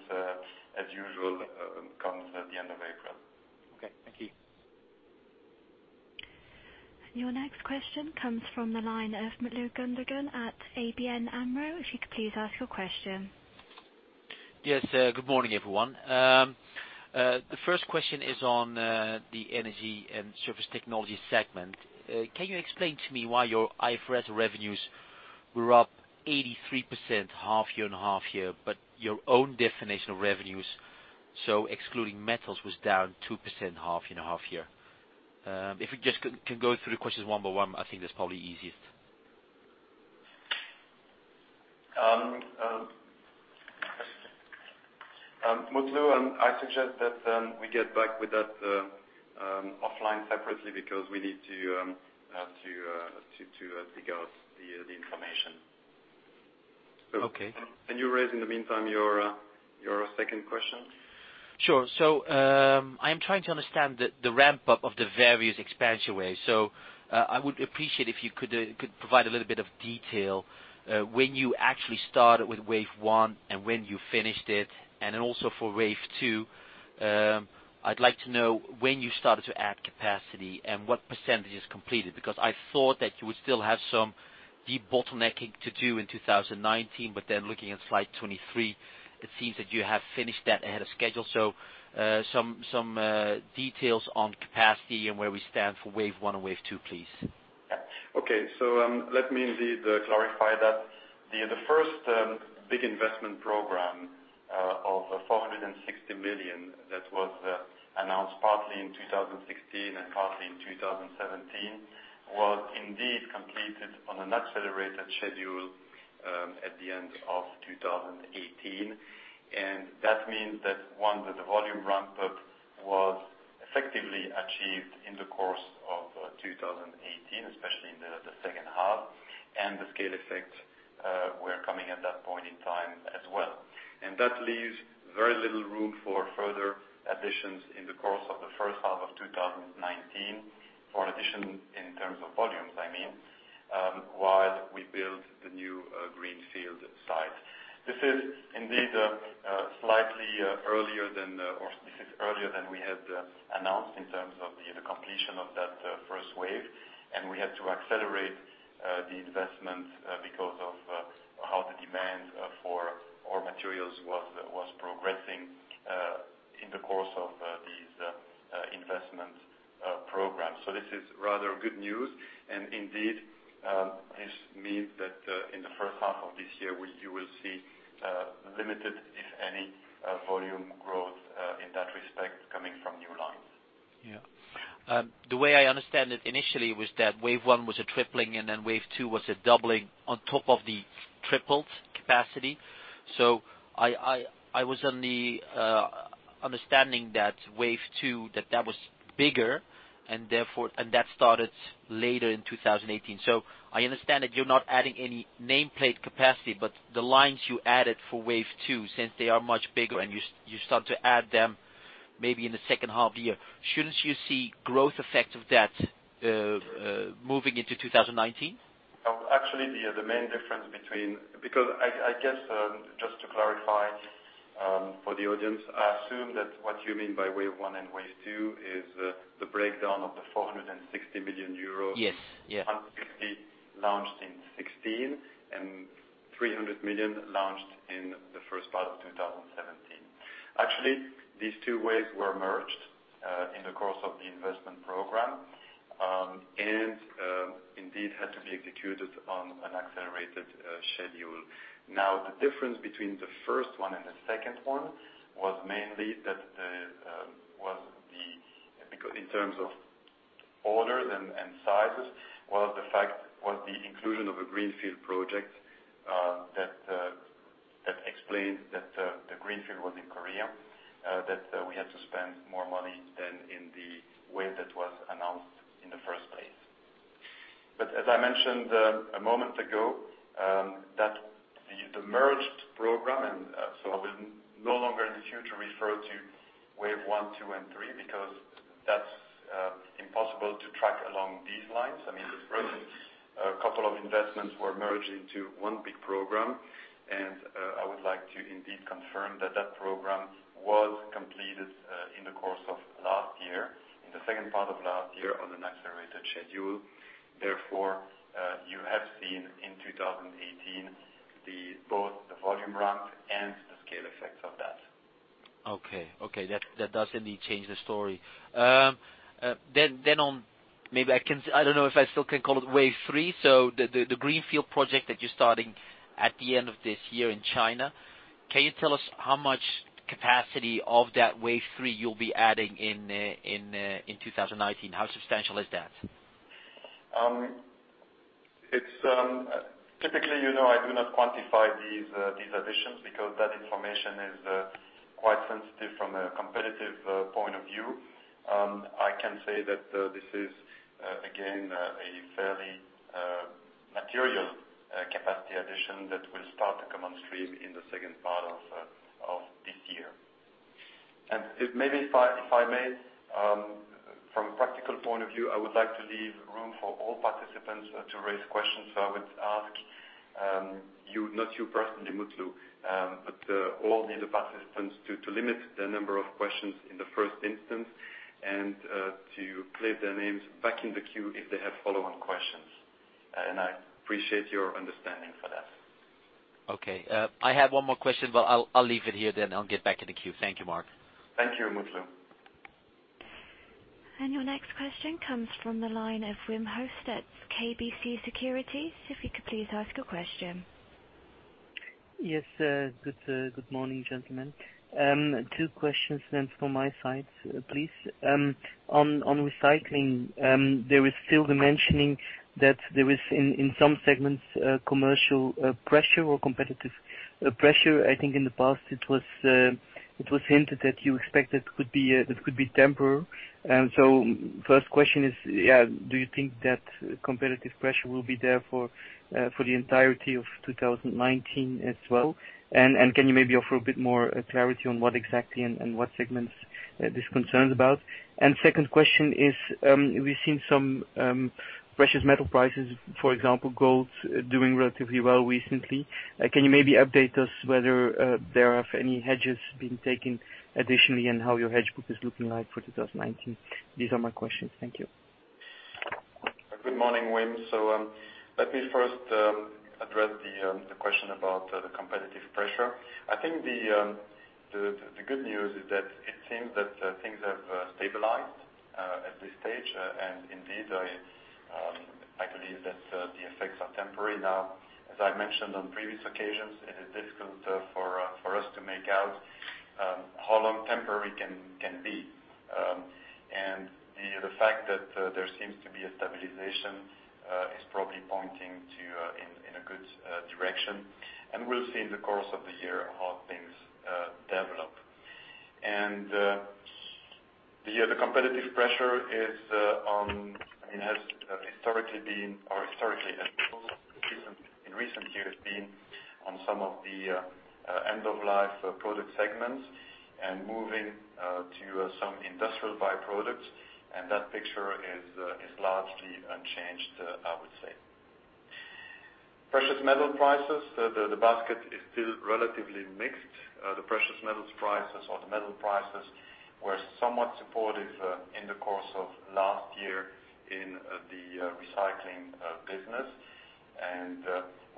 as usual come the end of April. Okay, thank you. Your next question comes from the line of Mutlu Gundogan at ABN AMRO. If you could please ask your question. Yes. Good morning, everyone. The first question is on the Energy & Surface Technologies segment. Can you explain to me why your IFRS revenues were up 83% half year and half year, but your own definition of revenues, so excluding metals, was down 2% half year-on-half year? We just can go through the questions one by one, I think that's probably easiest. Mutlu, I suggest that we get back with that offline separately because we need to figure out the information. Okay. Can you raise in the meantime your second question? Sure. I'm trying to understand the ramp-up of the various expansion waves. I would appreciate if you could provide a little bit of detail when you actually started with wave one and when you finished it, also for wave two. I'd like to know when you started to add capacity and what % is completed, because I thought that you would still have some deep bottlenecking to do in 2019, looking at slide 23, it seems that you have finished that ahead of schedule. Some details on capacity and where we stand for wave one and wave two, please. Let me indeed clarify that. The first big investment program of 460 million that was announced partly in 2016 and partly in 2017 was indeed completed on an accelerated schedule at the end of 2018. That means that, one, that the volume ramp-up was effectively achieved in the course of 2018, especially in the second half. The scale effects were coming at that point in time as well. That leaves very little room for further additions in the course of the first half of 2019 for addition in terms of volumes, I mean, while we build the new greenfield site. This is indeed slightly earlier than, or this is earlier than we had announced in terms of the completion of that first wave. We had to accelerate the investment because of how the demand for our materials was progressing in the course of these investment programs. This is rather good news. Indeed, this means that in the first half of this year, you will see limited, if any, volume growth in that respect coming from new lines. Yeah. The way I understand it initially was that wave one was a tripling, and then wave two was a doubling on top of the tripled capacity. I was on the understanding that wave two, that that was bigger, and that started later in 2018. I understand that you're not adding any nameplate capacity, but the lines you added for wave two, since they are much bigger and you start to add them maybe in the second half of the year, shouldn't you see growth effect of that moving into 2019? No. Actually, the main difference between. Because I guess, just to clarify for the audience, I assume that what you mean by wave one and wave two is the breakdown of the 460 million euros. Yes. 150 launched in 2016, 300 million launched in the first part of 2017. These two waves were merged in the course of the investment program, and indeed had to be executed on an accelerated schedule. The difference between the first one and the second one was mainly that in terms of orders and sizes, was the inclusion of a greenfield project that explained that the greenfield was in Korea, that we had to spend more money than in the way that was announced in the first place. As I mentioned a moment ago, that the merged program, I will no longer in the future refer to wave one, two, and three, because that's impossible to track along these lines. A couple of investments were merged into one big program. I would like to indeed confirm that that program was completed in the course of last year, in the second part of last year on an accelerated schedule. You have seen in 2018, both the volume ramp and the scale effects of that. That does indeed change the story. On, maybe I don't know if I still can call it wave three, so the greenfield project that you're starting at the end of this year in China, can you tell us how much capacity of that wave three you'll be adding in 2019? How substantial is that? Typically, you know I do not quantify these additions because that information is quite sensitive from a competitive point of view. I can say that this is, again, a fairly material capacity addition that will start to come on stream in the second part of this year. Maybe, if I may, from a practical point of view, I would like to leave room for all participants to raise questions. I would ask you, not you personally, Mutlu, but all the other participants to limit the number of questions in the first instance, and to place their names back in the queue if they have follow-on questions. I appreciate your understanding for that. Okay. I have one more question, but I'll leave it here, then I'll get back in the queue. Thank you, Marc. Thank you, Mutlu. Your next question comes from the line of Wim Hoste at KBC Securities. If you could please ask your question. Yes. Good morning, gentlemen. Two questions then from my side, please. On recycling, there is still the mentioning that there is, in some segments, commercial pressure or competitive pressure. I think in the past it was hinted that you expect it could be temporary. First question is, do you think that competitive pressure will be there for the entirety of 2019 as well? Can you maybe offer a bit more clarity on what exactly and what segments this concerns about? Second question is, we've seen some precious metal prices, for example, gold, doing relatively well recently. Can you maybe update us whether there have any hedges been taken additionally, and how your hedge book is looking like for 2019? These are my questions. Thank you. Good morning, Wim. Let me first address the question about the competitive pressure. I think the good news is that it seems that things have stabilized at this stage. Indeed, I believe that the effects are temporary. Now, as I mentioned on previous occasions, it is difficult for us to make out how long temporary can be. The fact that there seems to be a stabilization is probably pointing in a good direction. We'll see in the course of the year how things develop. The competitive pressure has historically been in recent years on some of the end-of-life product segments and moving to some industrial byproducts. That picture is largely unchanged, I would say. Precious metal prices, the basket is still relatively mixed. The precious metals prices or the metal prices were somewhat supportive in the course of last year in the Recycling business, and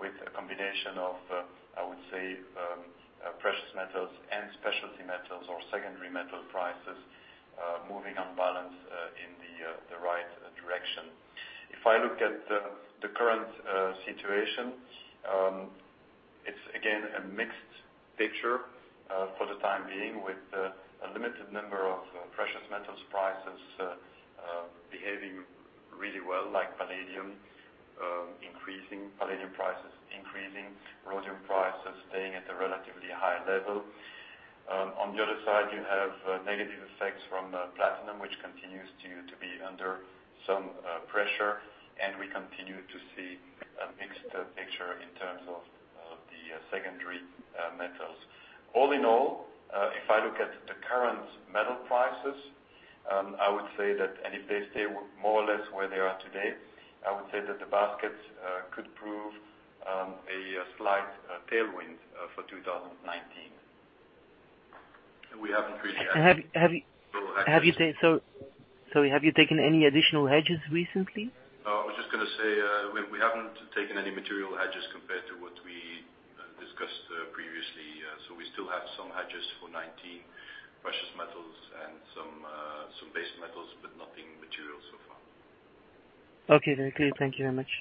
with a combination of, I would say, precious metals and specialty metals or secondary metal prices moving on balance in the right direction. If I look at the current situation, it's again a mixed picture for the time being, with a limited number of precious metals prices behaving really well like palladium, increasing palladium prices, increasing rhodium prices, staying at a relatively high level. On the other side, you have negative effects from platinum, which continues to be under some pressure, and we continue to see a mixed picture in terms of the secondary metals. All in all, if I look at the current metal prices, if they stay more or less where they are today, I would say that the basket could prove a slight tailwind for 2019. We haven't really- Have you taken any additional hedges recently? I was just going to say, we haven't taken any material hedges compared to what we discussed previously. We still have some hedges for 2019, precious metals and some base metals, but nothing material so far. Okay. Very clear. Thank you very much.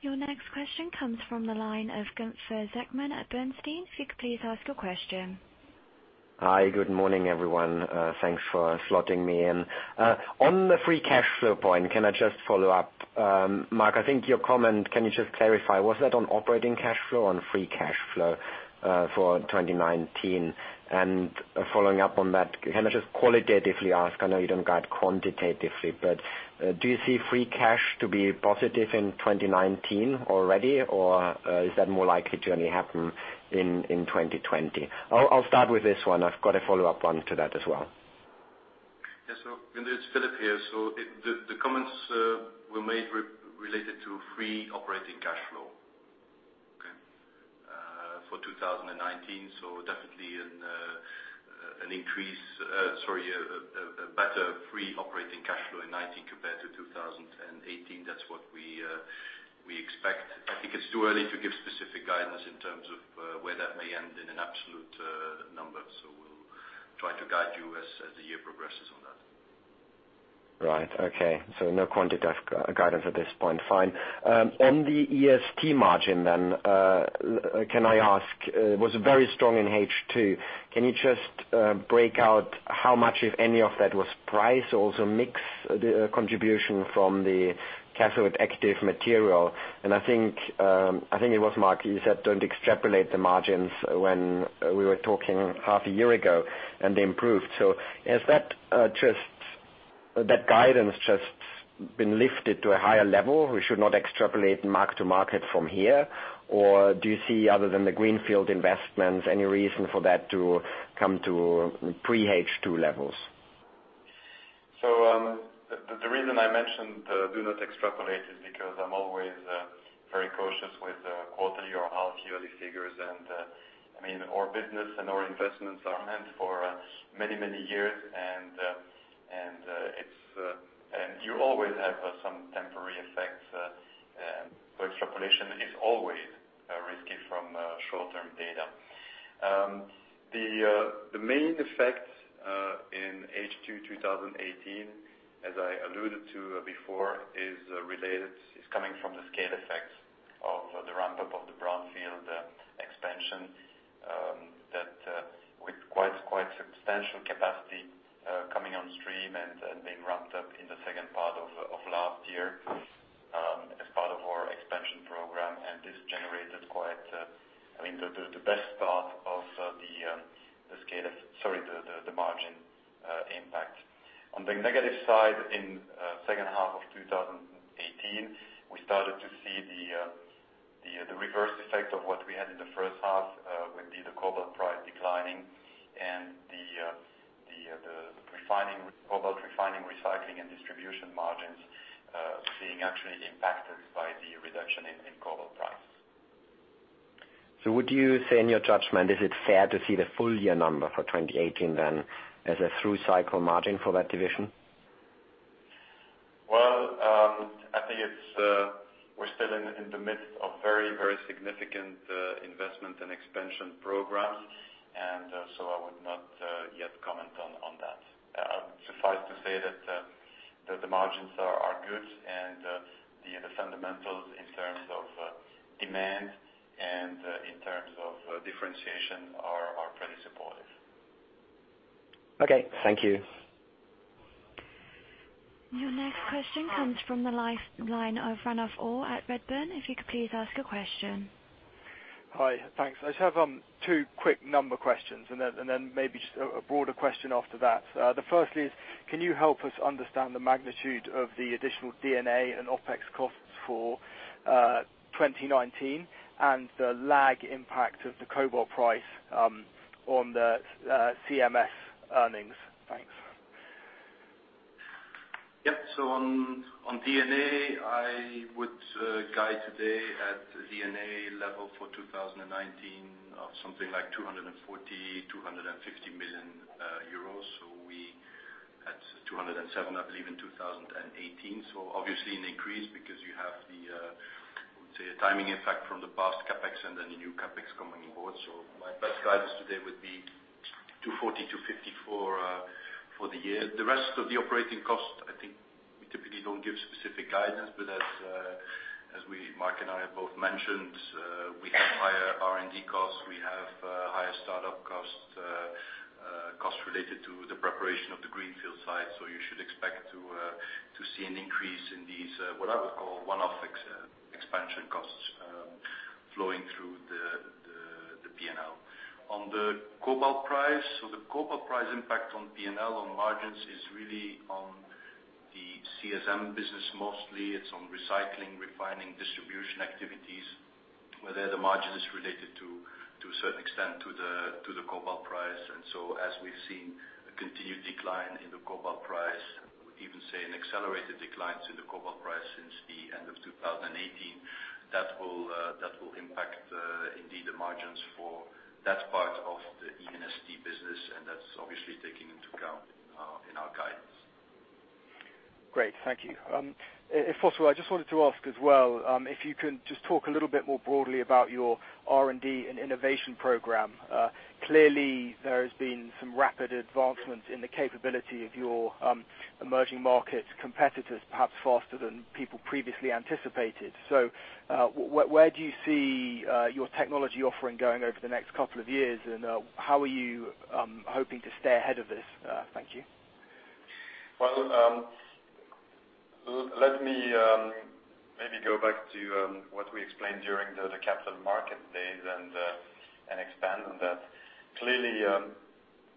Your next question comes from the line of Gunther Zechmann at Bernstein. If you could please ask your question. Hi. Good morning, everyone. Thanks for slotting me in. On the free cash flow point, can I just follow up? Marc, I think your comment, can you just clarify, was that on operating cash flow or on free cash flow for 2019? Following up on that, can I just qualitatively ask, I know you don't guide quantitatively, but do you see free cash to be positive in 2019 already, or is that more likely to only happen in 2020? I'll start with this one. I've got a follow-up one to that as well. Yes. It's Filip here. The comments were made related to free operating cash flow. Okay. For 2019. Definitely a better free operating cash flow in 2019 compared to 2018. That's what we expect. I think it's too early to give specific guidance in terms of where that may end in an absolute number. We'll try to guide you as the year progresses on that. Right. Okay. No quantitative guidance at this point. Fine. On the E&ST margin then, can I ask, it was very strong in H2. Can you just break out how much, if any, of that was price? Also mix the contribution from the cathode active material. I think it was Marc, you said don't extrapolate the margins when we were talking half a year ago and they improved. Has that guidance just been lifted to a higher level? We should not extrapolate mark-to-market from here. Or do you see other than the greenfield investment, any reason for that to come to pre-H2 levels? The reason I mentioned do not extrapolate is because I'm always very cautious with quarterly or half-yearly figures. Our business and our investments are meant for many, many years and you always have some temporary effects. Extrapolation is always risky from short-term data. The main effect in H2 2018, as I alluded to before, is coming from the scale effects of the ramp-up of the brownfield expansion, that with quite substantial capacity coming on stream and being ramped up in the second part of last year as part of our expansion program. This generated the best part of the margin impact. On the negative side, in second half of 2018, we started to see the reverse effect of what we had in the first half with the cobalt price declining and the cobalt refining, recycling, and distribution margins actually impacted by the reduction in cobalt price. Would you say in your judgment, is it fair to see the full year number for 2018 then as a through cycle margin for that division? Well, I think we're still in the midst of very, very significant investment and expansion programs, and so I would not yet comment on that. Suffice it to say that the margins are good, and the fundamentals in terms of demand and in terms of differentiation are pretty supportive. Okay. Thank you. Your next question comes from the line of Ranulf Orr at Redburn. If you could please ask your question. Hi. Thanks. I just have two quick number questions, and then maybe just a broader question after that. The first is, can you help us understand the magnitude of the additional D&A and OpEx costs for 2019 and the lag impact of the cobalt price on the CSM earnings? Thanks. Yep. On D&A, I would guide today at D&A level for 2019 of something like 240 million-250 million euros. We had 207 million, I believe, in 2018. Obviously an increase because you have the, I would say, timing effect from the past CapEx and then the new CapEx coming on board. My best guidance today would be 240 million-250 million for the year. The rest of the operating cost, I think we typically don't give specific guidance, but as Marc and I have both mentioned, we have higher R&D costs. We have higher startup costs related to the preparation of the greenfield site. You should expect to see an increase in these, what I would call one-off expansion costs, flowing through the P&L. On the cobalt price, the cobalt price impact on P&L on margins is really on the CSM business mostly. It's on recycling, refining, distribution activities, where the margin is related to a certain extent to the cobalt price. As we've seen a continued decline in the cobalt price, I would even say an accelerated decline to the cobalt price since the end of 2018, that will impact indeed the margins for that part of the E&ST business, and that's obviously taken into account in our guidance. Great, thank you. If possible, I just wanted to ask as well, if you can just talk a little bit more broadly about your R&D and innovation program. Clearly, there has been some rapid advancements in the capability of your emerging market competitors, perhaps faster than people previously anticipated. Where do you see your technology offering going over the next couple of years, and how are you hoping to stay ahead of this? Thank you. Well, let me maybe go back to what we explained during the Capital Market Days and expand on that. Clearly,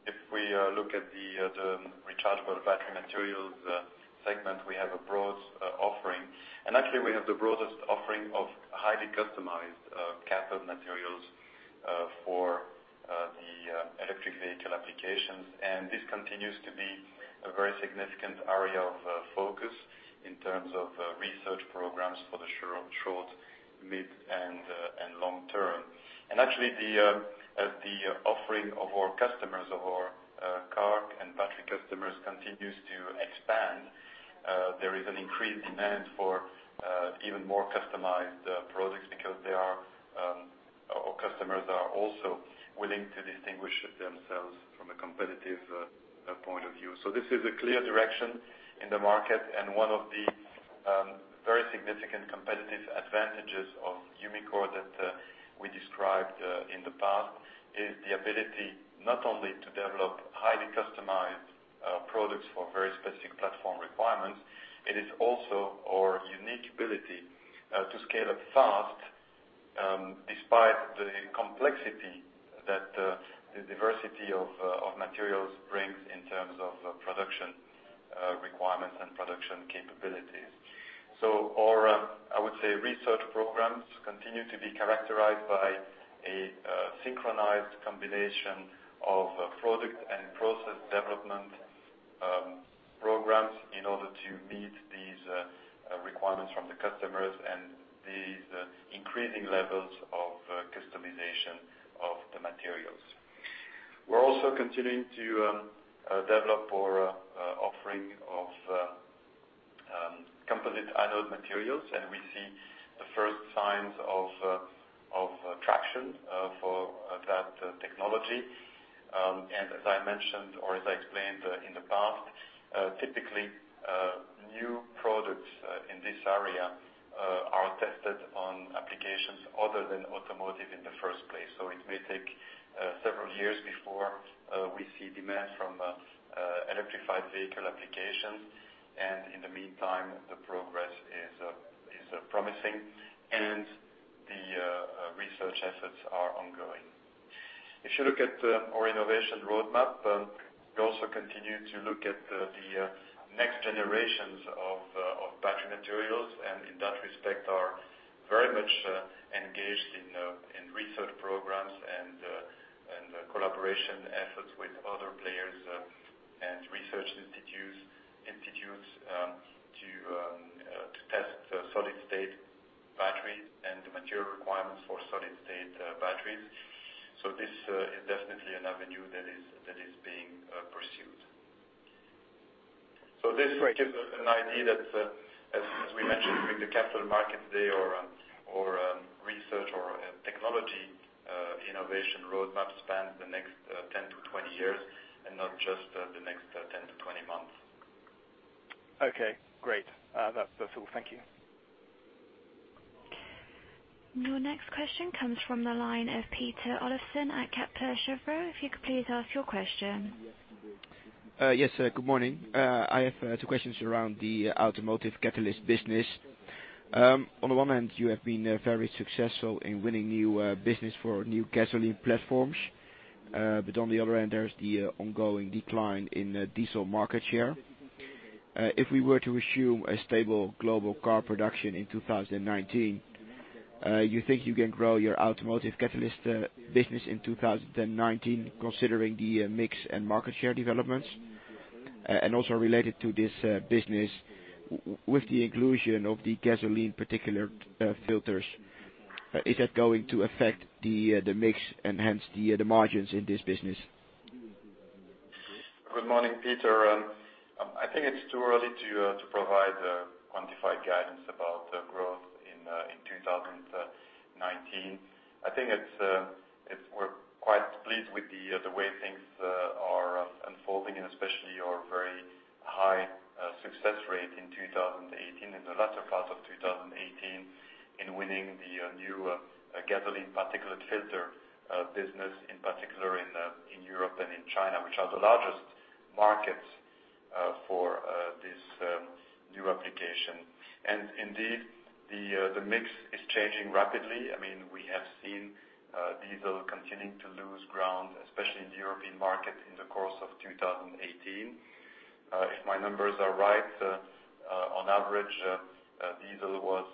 if we look at the Rechargeable Battery Materials segment, we have a broad offering. Actually, we have the broadest offering of highly customized cathode materials for the electric vehicle applications. This continues to be a very significant area of focus in terms of research programs for the short, mid, and long term. Actually, the offering of our customers, of our car and battery customers continues to expand. There is an increased demand for even more customized products because our customers are also willing to distinguish themselves from a competitive point of view. This is a clear direction in the market, and one of the very significant competitive advantages of Umicore that we described in the past is the ability not only to develop highly customized products for very specific platform requirements, it is also our unique ability to scale up fast, despite the complexity that the diversity of materials brings in terms of production requirements and production capabilities. Our, I would say, research programs continue to be characterized by a synchronized combination of product and process development programs in order to meet these requirements from the customers and these increasing levels of customization of the materials. We're also continuing to develop our offering of composite anode materials, we see the first signs of traction for that technology. As I mentioned, or as I explained in the past, typically, new products in this area are tested on applications other than automotive in the first place. It may take several years before we see demand from electrified vehicle applications. In the meantime, the progress is promising and the research efforts are ongoing. If you look at our innovation roadmap, we also continue to look at the next generations of battery materials, in that respect, are very much engaged in research programs and collaboration efforts with other players and research institutes to test solid state batteries and the material requirements for solid state batteries. This is definitely an avenue that is being pursued. This gives us an idea that, as we mentioned during the Capital Market Days, our research or technology innovation roadmap spans the next 10-20 years and not just the next 10-20 months. Okay, great. That's all. Thank you. Your next question comes from the line of Peter Olofsen at Kepler Cheuvreux. If you could please ask your question. Yes, good morning. I have two questions around the Automotive Catalysts business. On the one hand, you have been very successful in winning new business for new gasoline platforms. On the other hand, there's the ongoing decline in diesel market share. If we were to assume a stable global car production in 2019, you think you can grow your Automotive Catalysts business in 2019 considering the mix and market share developments? Also related to this business, with the inclusion of the gasoline particulate filters, is that going to affect the mix and hence the margins in this business? Good morning, Peter. I think it's too early to provide quantified guidance about growth in 2019. I think we're quite pleased with the way things are unfolding and especially our very high success rate in 2018, in the latter part of 2018, in winning the new gasoline particulate filter business, in particular in Europe and in China, which are the largest markets for this new application. Indeed, the mix is changing rapidly. We have seen diesel continuing to lose ground, especially in the European market in the course of 2018. If my numbers are right, on average, diesel was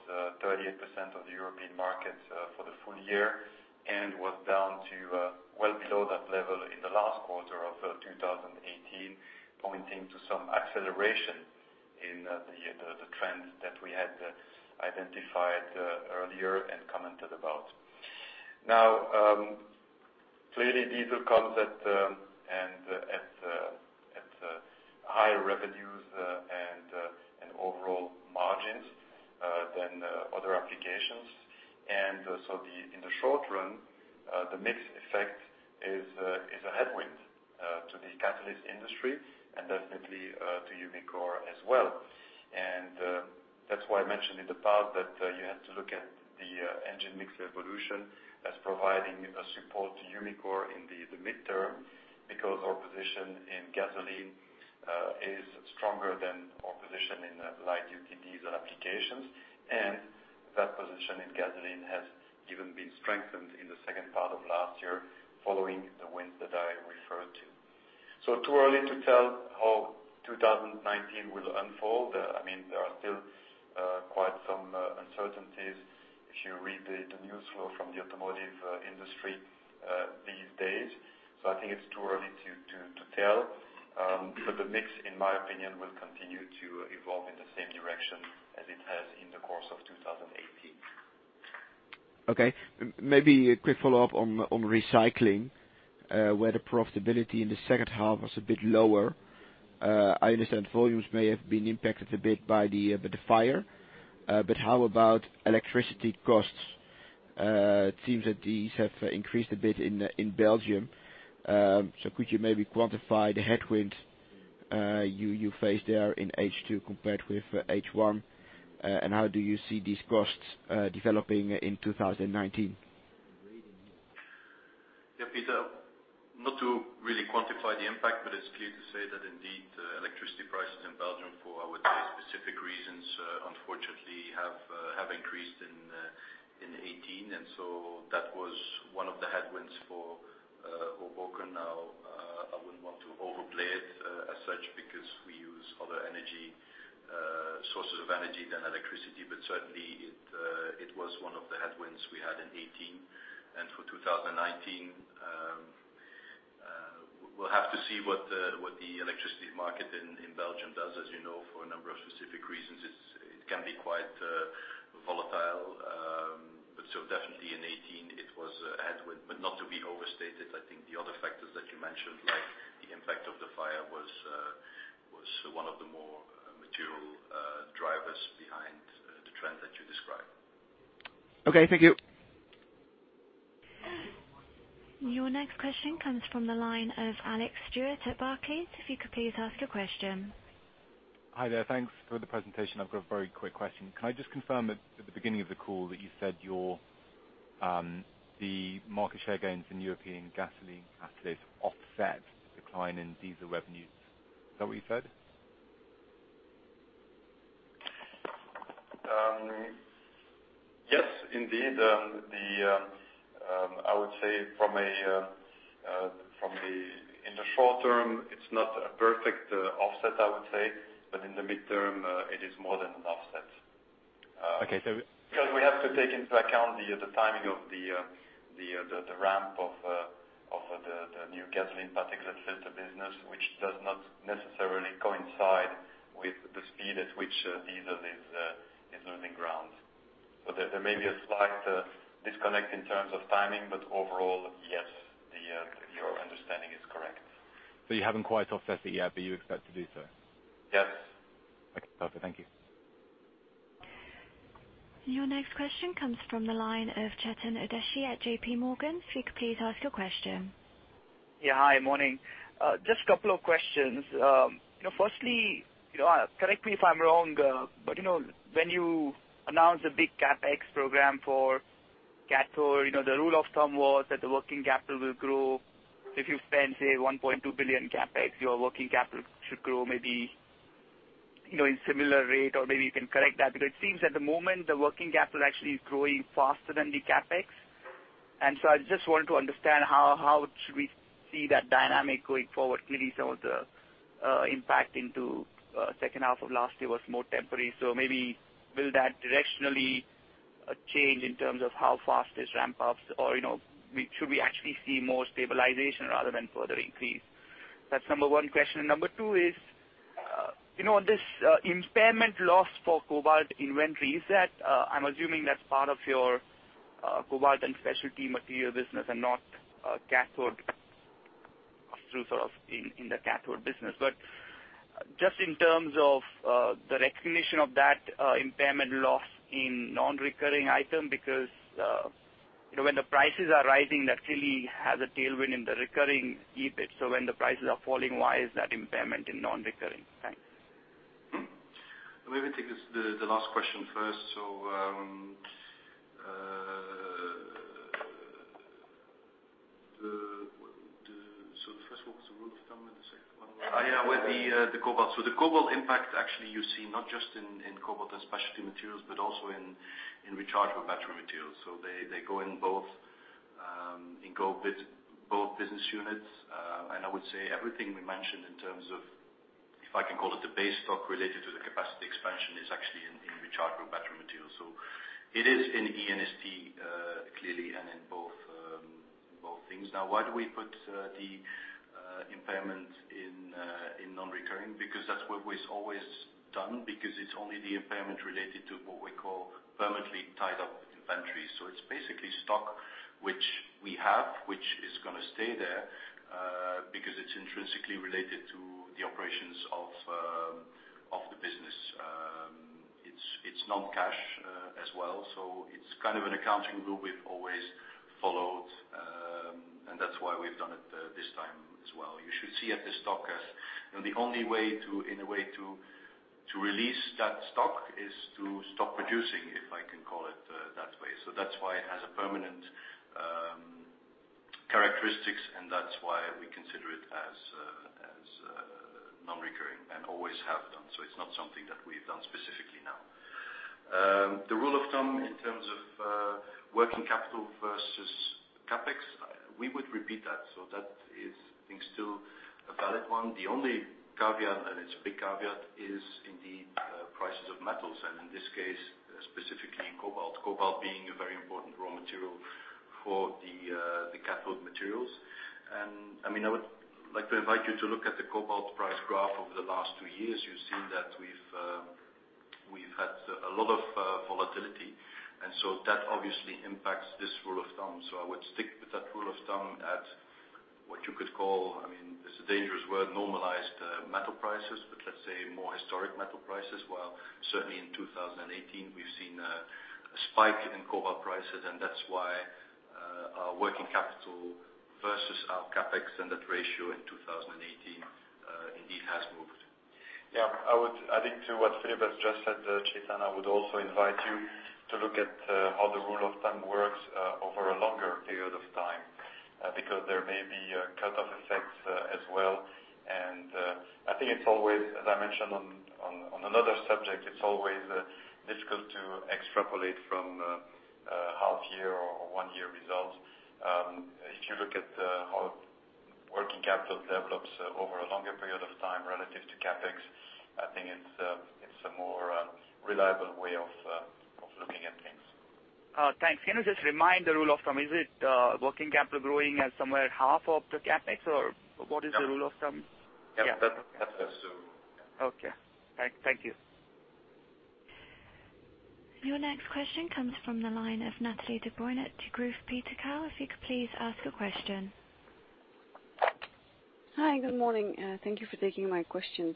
38% of the European market for the full year and was down to well below that level in the last quarter of 2018, pointing to some acceleration in the trend that we had identified earlier and commented about. Clearly diesel comes at higher revenues and overall margins than other applications. In the short run, the mix effect is a headwind to the catalyst industry and definitely to Umicore as well. That's why I mentioned in the past that you have to look at the engine mix evolution as providing support to Umicore in the midterm, because our position in gasoline is stronger than our position in light-duty diesel applications. That position in gasoline has even been strengthened in the second part of last year, following the wins that I referred to. Too early to tell how 2019 will unfold. There are still quite some uncertainties if you read the news flow from the automotive industry these days. I think it's too early to tell. The mix, in my opinion, will continue to evolve in the same direction as it has in the course of 2018. Okay. Maybe a quick follow-up on Recycling, where the profitability in the second half was a bit lower. I understand volumes may have been impacted a bit by the fire. How about electricity costs? It seems that these have increased a bit in Belgium. Could you maybe quantify the headwinds you face there in H2 compared with H1? How do you see these costs developing in 2019? Peter, not to really quantify the impact, but it's clear to say that indeed, electricity prices in Belgium for, I would say, specific reasons, unfortunately, have increased in 2018. That was one of the headwinds for Hoboken. Now, I wouldn't want to overplay it as such because we use other sources of energy than electricity. Certainly, it was one of the headwinds we had in 2018. For 2019, we'll have to see what the electricity market in Belgium does. As you know, for a number of specific reasons, it can be quite volatile. Definitely in 2018 it was a headwind, but not to be overstated. I think the other factors that you mentioned, like the impact of the fire, was one of the more material drivers behind the trend that you describe. Okay, thank you. Your next question comes from the line of Alex Stewart at Barclays. If you could please ask your question. Hi there. Thanks for the presentation. I've got a very quick question. Can I just confirm that at the beginning of the call that you said the market share gains in European gasoline catalysts offset the decline in diesel revenues. Is that what you said? Yes, indeed. I would say, in the short term, it's not a perfect offset, I would say. In the midterm, it is more than an offset. Okay. We have to take into account the timing of the ramp of the new gasoline particulate filter business, which does not necessarily coincide with the speed at which diesel is losing ground. There may be a slight disconnect in terms of timing, but overall, yes, your understanding is correct. You haven't quite offset it yet, but you expect to do so. Yes. Okay, perfect. Thank you. Your next question comes from the line of Chetan Udeshi at JPMorgan. If you could please ask your question. Yeah, hi. Morning. Just a couple of questions. Firstly, correct me if I'm wrong, but when you announced the big CapEx program for Catalysis, the rule of thumb was that the working capital will grow. If you spend, say, 1.2 billion CapEx, your working capital should grow maybe in similar rate, or maybe you can correct that. It seems at the moment the working capital actually is growing faster than the CapEx. I just want to understand how should we see that dynamic going forward, clearly some of the impact into second half of last year was more temporary, so maybe will that directionally change in terms of how fast this ramp-ups or should we actually see more stabilization rather than further increase? That's number one question. Number two is, this impairment loss for cobalt inventory, I'm assuming that's part of your Cobalt & Specialty Materials business and not cathode through, sort of, in the cathode business. Just in terms of the recognition of that impairment loss in non-recurring item, because when the prices are rising, that clearly has a tailwind in the recurring EBIT. When the prices are falling, why is that impairment in non-recurring? Thanks. Let me take the last question first. The first one was the rule of thumb and the second one Yeah. With the cobalt. The cobalt impact, actually, you see not just in Cobalt & Specialty Materials, but also in Rechargeable Battery Materials. They go in both business units. And I would say everything we mentioned in terms of, if I can call it the base stock related to the capacity expansion, is actually in Rechargeable Battery Materials. It is in E&ST, clearly, and in both things. Why do we put the impairment in non-recurring? Because that's what was always done, because it's only the impairment related to what we call permanently tied up inventories. It's basically stock which we have, which is going to stay there, because it's intrinsically related to the operations of the business. It's non-cash as well. It's kind of an accounting rule we've always followed, and that's why we've done it this time as well. You should see it as stock. The only way to release that stock is to stop producing, if I can call it that way. That's why it has permanent characteristics, and that's why we consider it as non-recurring, and always have done. It's not something that we've done specifically now. The rule of thumb in terms of working capital versus CapEx, we would repeat that. That is, I think, still a valid one. The only caveat, and it's a big caveat, is in the prices of metals, and in this case, specifically in cobalt. Cobalt being a very important raw material for the cathode materials. I would like to invite you to look at the cobalt price graph over the last two years. You've seen that we've had a lot of volatility, that obviously impacts this rule of thumb. I would stick with that rule of thumb at what you could call, it's a dangerous word, normalized metal prices. Let's say more historic metal prices. While certainly in 2018, we've seen a spike in cobalt prices, and that's why our working capital versus our CapEx and that ratio in 2018 indeed has moved. Yeah. Adding to what Filip has just said, Chetan, I would also invite you to look at how the rule of thumb works over a longer period of time. There may be cut-off effects as well. I think it's always, as I mentioned on another subject, it's always difficult to extrapolate from half-year or one-year results. If you look at how working capital develops over a longer period of time relative to CapEx, I think it's a more reliable way of looking at things. Thanks. Can you just remind the rule of thumb, is it working capital growing at somewhere half of the CapEx, or what is the rule of thumb? Yeah. That's the rule. Okay. Thank you. Your next question comes from the line of Nathalie Debruyne, Degroof Petercam. If you could please ask your question. Hi. Good morning. Thank you for taking my questions.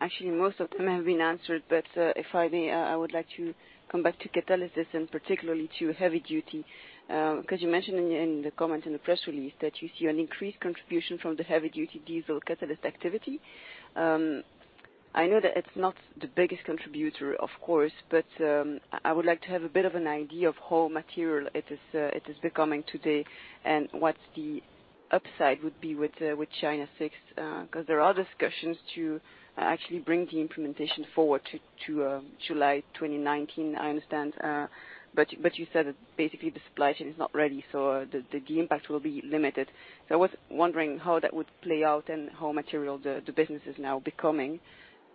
Actually, most of them have been answered. If I may, I would like to come back to Catalysis and particularly to heavy duty. You mentioned in the comment in the press release that you see an increased contribution from the heavy duty diesel catalyst activity. I know that it's not the biggest contributor, of course. I would like to have a bit of an idea of how material it is becoming today and what the upside would be with China VI. There are discussions to actually bring the implementation forward to July 2019, I understand. You said that basically the supply chain is not ready, the impact will be limited. I was wondering how that would play out and how material the business is now becoming.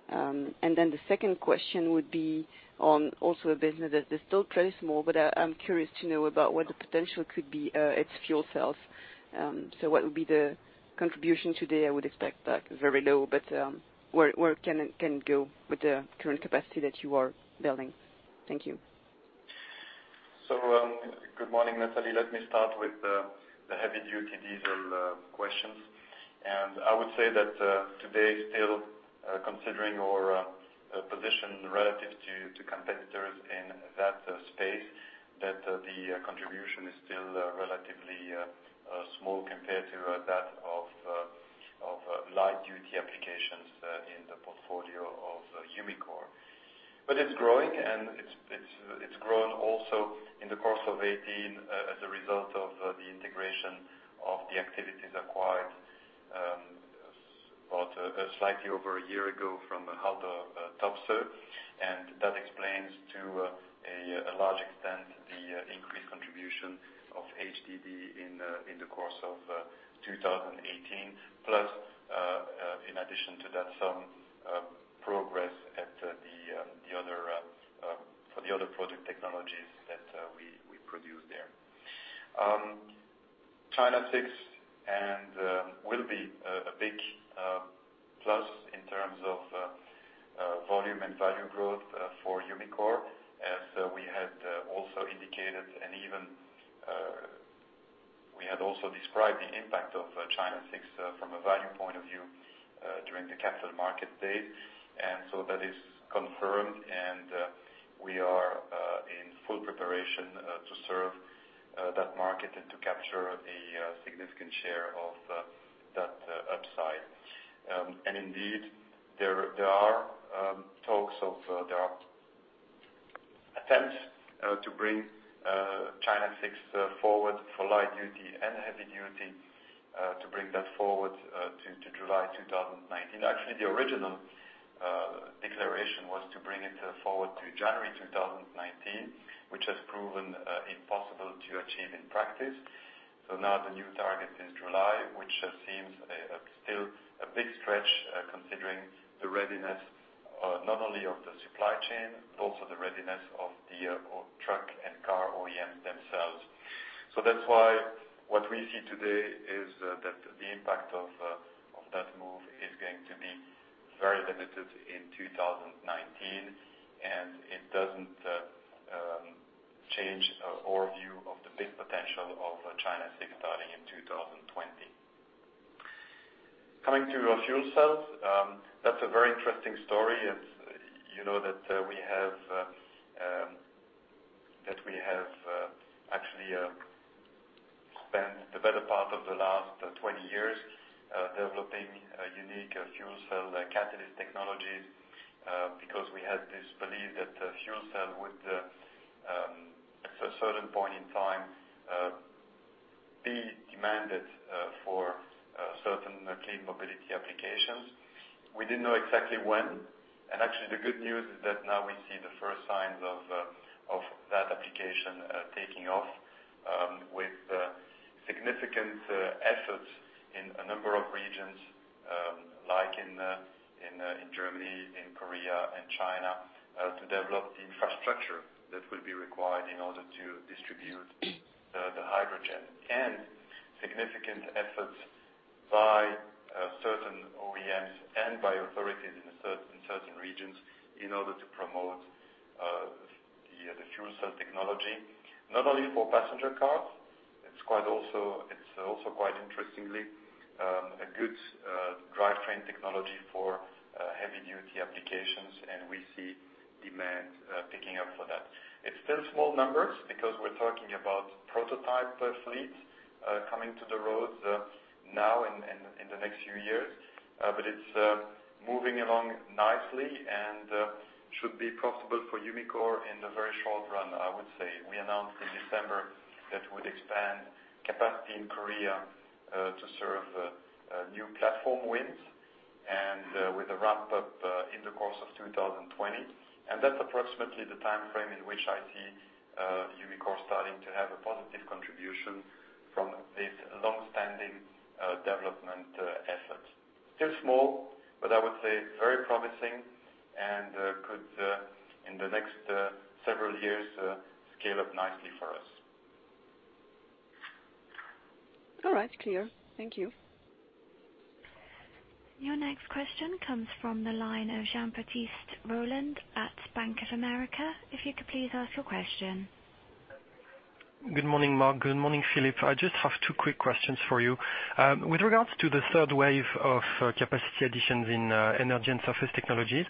The second question would be on also a business that is still pretty small. I am curious to know about what the potential could be at fuel cells. What would be the contribution today? I would expect that very low. Where can it go with the current capacity that you are building? Thank you. Good morning, Nathalie. Let me start with the heavy duty diesel question. I would say that today, still considering our position relative to competitors in that space, that the contribution is still relatively small compared to that of light duty applications in the portfolio of Umicore. It's growing, and it's grown also in the course of 2018 as a result of the integration of the activity slightly over a year ago from Haldor Topsøe. That explains to a large extent the increased contribution of HDD in the course of 2018. Plus, in addition to that, some progress for the other project technologies that we produce there. China VI will be a big plus in terms of volume and value growth for Umicore, as we had also indicated, and even we had also described the impact of China VI from a value point of view during the Capital Market Days. That is confirmed, and we are in full preparation to serve that market and to capture the significant share of that upside. Indeed, there are attempts to bring China VI forward for light duty and heavy duty, to bring that forward to July 2019. Actually, the original declaration was to bring it forward to January 2019, which has proven impossible to achieve in practice. Now the new target is July, which seems still a big stretch, considering the readiness not only of the supply chain, also the readiness of the truck and car OEMs themselves. That's why what we see today is that the impact of that move is going to be very limited in 2019, and it doesn't change our view of the big potential of China VI starting in 2020. Coming to fuel cells. That's a very interesting story. You know that we have actually spent the better part of the last 20 years developing a unique fuel cell catalyst technology because we had this belief that fuel cell would, at a certain point in time, be demanded for certain clean mobility applications. We didn't know exactly when. Actually, the good news is that now we see the first signs of that application taking off with significant efforts in a number of regions, like in Germany, in Korea and China, to develop the infrastructure that will be required in order to distribute the hydrogen. Significant efforts by certain OEMs and by authorities in certain regions in order to promote the fuel cell technology, not only for passenger cars. It's also, quite interestingly, a good drivetrain technology for heavy-duty applications, and we see demand picking up for that. It's still small numbers because we're talking about prototype fleets coming to the roads now and in the next few years. But it's moving along nicely and should be profitable for Umicore in the very short run, I would say. We announced in December that we would expand capacity in Korea to serve new platform wins and with a ramp-up in the course of 2020. That's approximately the timeframe in which I see Umicore starting to have a positive contribution from this long-standing development effort. Still small, but I would say very promising and could, in the next several years, scale up nicely for us. All right. Clear. Thank you. Your next question comes from the line of Jean-Baptiste Rolland at Bank of America. If you could please ask your question. Good morning, Marc. Good morning, Filip. I just have two quick questions for you. With regards to the third wave of capacity additions in Energy & Surface Technologies,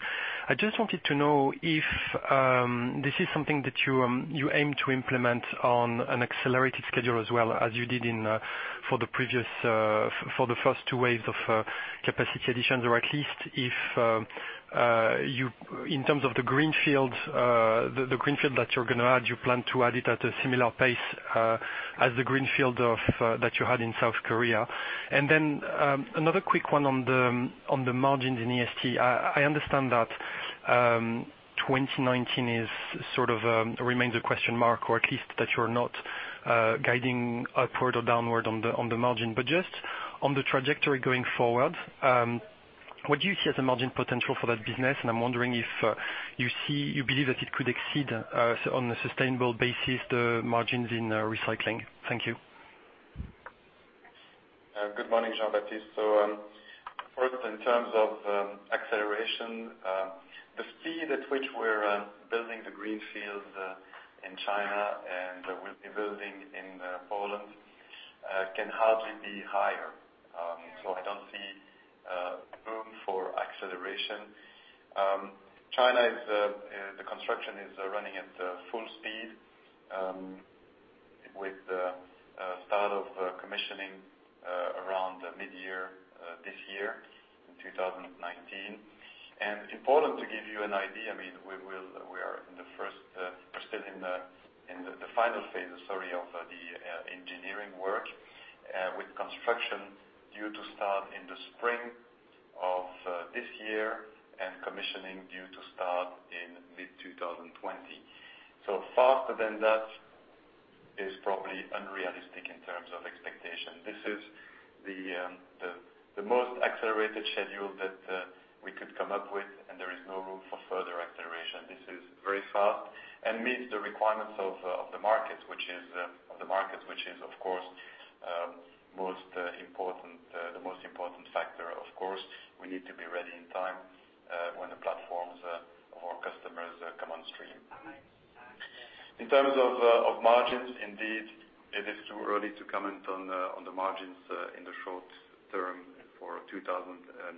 I just wanted to know if this is something that you aim to implement on an accelerated schedule as well as you did for the first two waves of capacity additions. Or at least if, in terms of the greenfield that you're going to add, you plan to add it at a similar pace as the greenfield that you had in South Korea. Just on the margins in E&ST. I understand that 2019 sort of remains a question mark, or at least that you're not guiding upward or downward on the margin. Just on the trajectory going forward, what do you see as a margin potential for that business? I'm wondering if you believe that it could exceed, on a sustainable basis, the margins in Recycling. Thank you. Good morning, Jean-Baptiste. First, in terms of acceleration, the speed at which we're building the greenfield in China and we'll be building in Poland can hardly be higher. I don't see room for acceleration. China, the construction is running at full speed, with the start of commissioning around mid-year this year in 2019. It's important to give you an idea. We are still in the final phase of the engineering work, with construction due to start in the spring of this year, and commissioning due to start in mid-2020. Faster than that is probably unrealistic in terms of expectation. This is the most accelerated schedule that we could come up with, and there is no room for further acceleration. This is very fast and meets the requirements of the market, which is, of course, the most important factor. Of course, we need to be ready in time, when the platforms of our customers come on stream. In terms of margins, indeed, it is too early to comment on the margins in the short term for 2019.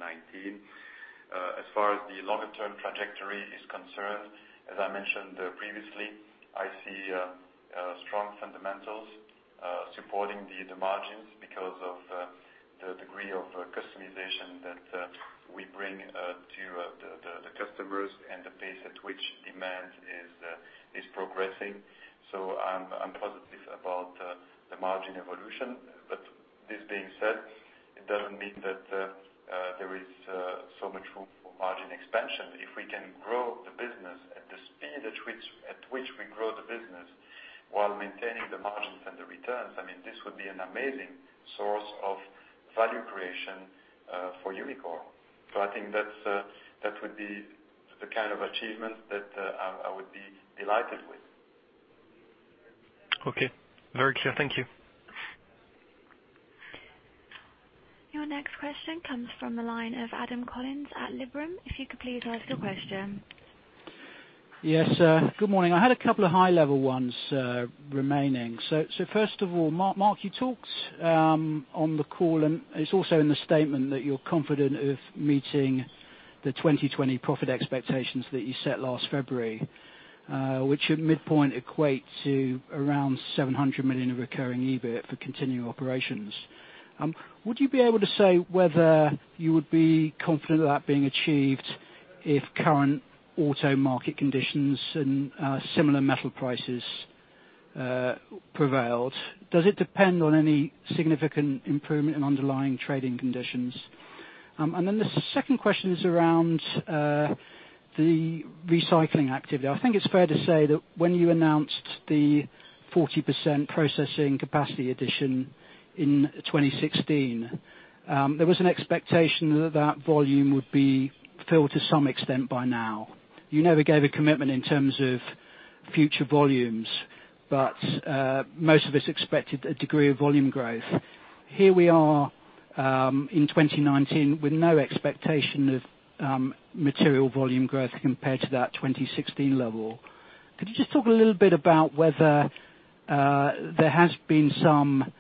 As far as the longer-term trajectory is concerned, as I mentioned previously, I see strong fundamentals supporting the margins because of the degree of customization that we bring to the customers and the pace at which demand is progressing. I'm positive about the margin evolution. This being said, it doesn't mean that there is so much room for margin expansion. If we can grow the business at the speed at which we grow the business while maintaining the margins and the returns, this would be an amazing source of value creation for Umicore. I think that would be the kind of achievement that I would be delighted with. Okay. Very clear. Thank you. Your next question comes from the line of Adam Collins at Liberum. If you could please ask your question. Yes. Good morning. I had a couple of high-level ones remaining. First of all, Marc, you talked on the call, and it's also in the statement, that you're confident of meeting the 2020 profit expectations that you set last February, which at midpoint equate to around 700 million of recurring EBIT for continuing operations. Would you be able to say whether you would be confident of that being achieved if current auto market conditions and similar metal prices prevailed? Does it depend on any significant improvement in underlying trading conditions? The second question is around the recycling activity. I think it's fair to say that when you announced the 40% processing capacity addition in 2016, there was an expectation that that volume would be filled to some extent by now. You never gave a commitment in terms of future volumes, most of us expected a degree of volume growth. Here we are, in 2019, with no expectation of material volume growth compared to that 2016 level. Could you just talk a little bit about whether there has been some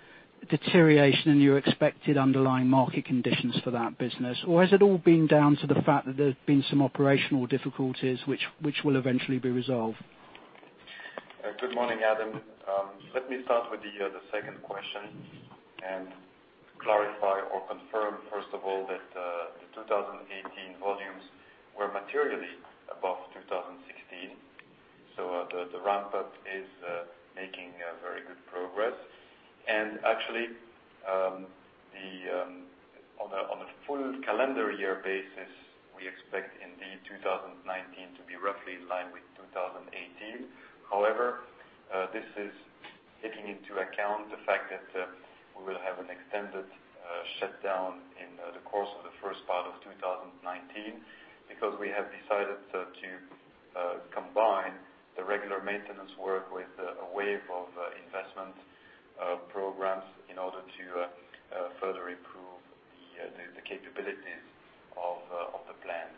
deterioration in your expected underlying market conditions for that business? Has it all been down to the fact that there's been some operational difficulties, which will eventually be resolved? Good morning, Adam. Let me start with the second question and clarify or confirm, first of all, that the 2018 volumes were materially above 2016. The ramp-up is making very good progress. Actually, on a full calendar year basis, we expect indeed 2019 to be roughly in line with 2018. However, this is taking into account the fact that we will have an extended shutdown in the course of the first part of 2019 because we have decided to combine the regular maintenance work with a wave of investment programs in order to further improve the capabilities of the plant.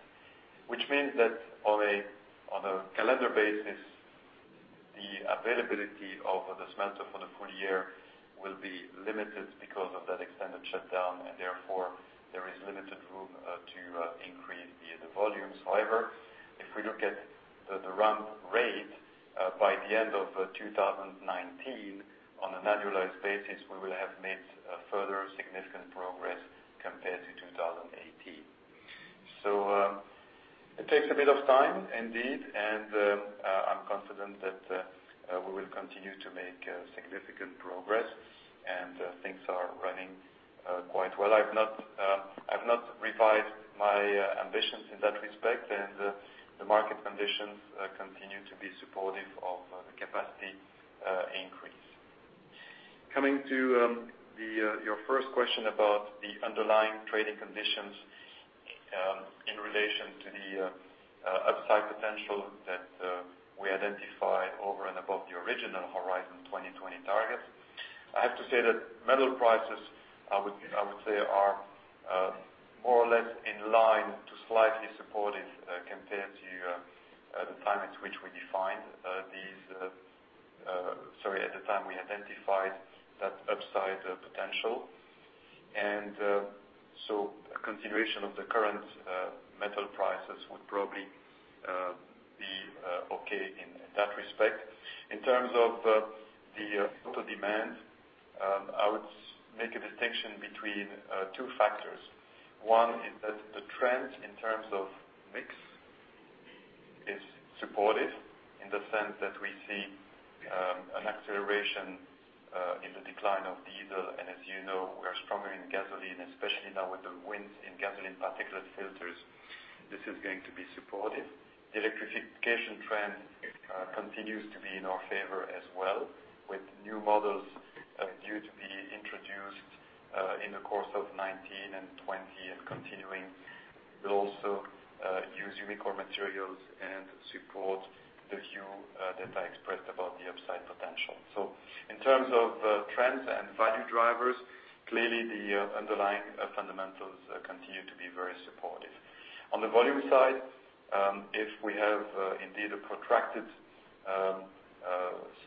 Which means that on a calendar basis, the availability of the smelter for the full year will be limited because of that extended shutdown. Therefore, there is limited room to increase the volumes. However, if we look at the ramp rate, by the end of 2019, on an annualized basis, we will have made further significant progress compared to 2018. It takes a bit of time, indeed, and I'm confident that we will continue to make significant progress. Things are running quite well. I've not revised my ambitions in that respect, and the market conditions continue to be supportive of the capacity increase. Coming to your first question about the underlying trading conditions in relation to the upside potential that we identify over and above the original Horizon 2020 target. I have to say that metal prices, I would say, are more or less in line to slightly supportive compared to the time at which we identified that upside potential. A continuation of the current metal prices would probably in that respect. In terms of the auto demand, I would make a distinction between two factors. One is that the trend in terms of mix is supportive in the sense that we see an acceleration in the decline of diesel, and as you know, we are stronger in gasoline, especially now with the wins in Gasoline Particulate Filters. This is going to be supportive. The electrification trend continues to be in our favor as well, with new models due to be introduced in the course of 2019 and 2020 and continuing. We'll also use Umicore materials and support the view that I expressed about the upside potential. In terms of trends and value drivers, clearly the underlying fundamentals continue to be very supportive. On the volume side, if we have indeed a protracted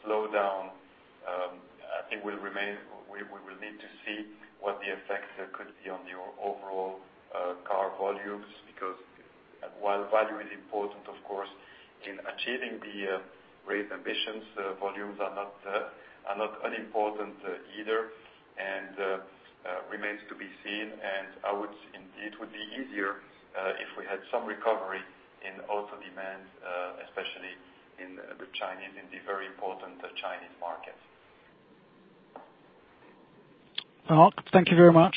slowdown, I think we will need to see what the effects could be on the overall car volumes because while value is important, of course, in achieving the raised ambitions, volumes are not unimportant either and remains to be seen, and indeed, it would be easier if we had some recovery in auto demand, especially in the Chinese, in the very important Chinese market. Marc, thank you very much.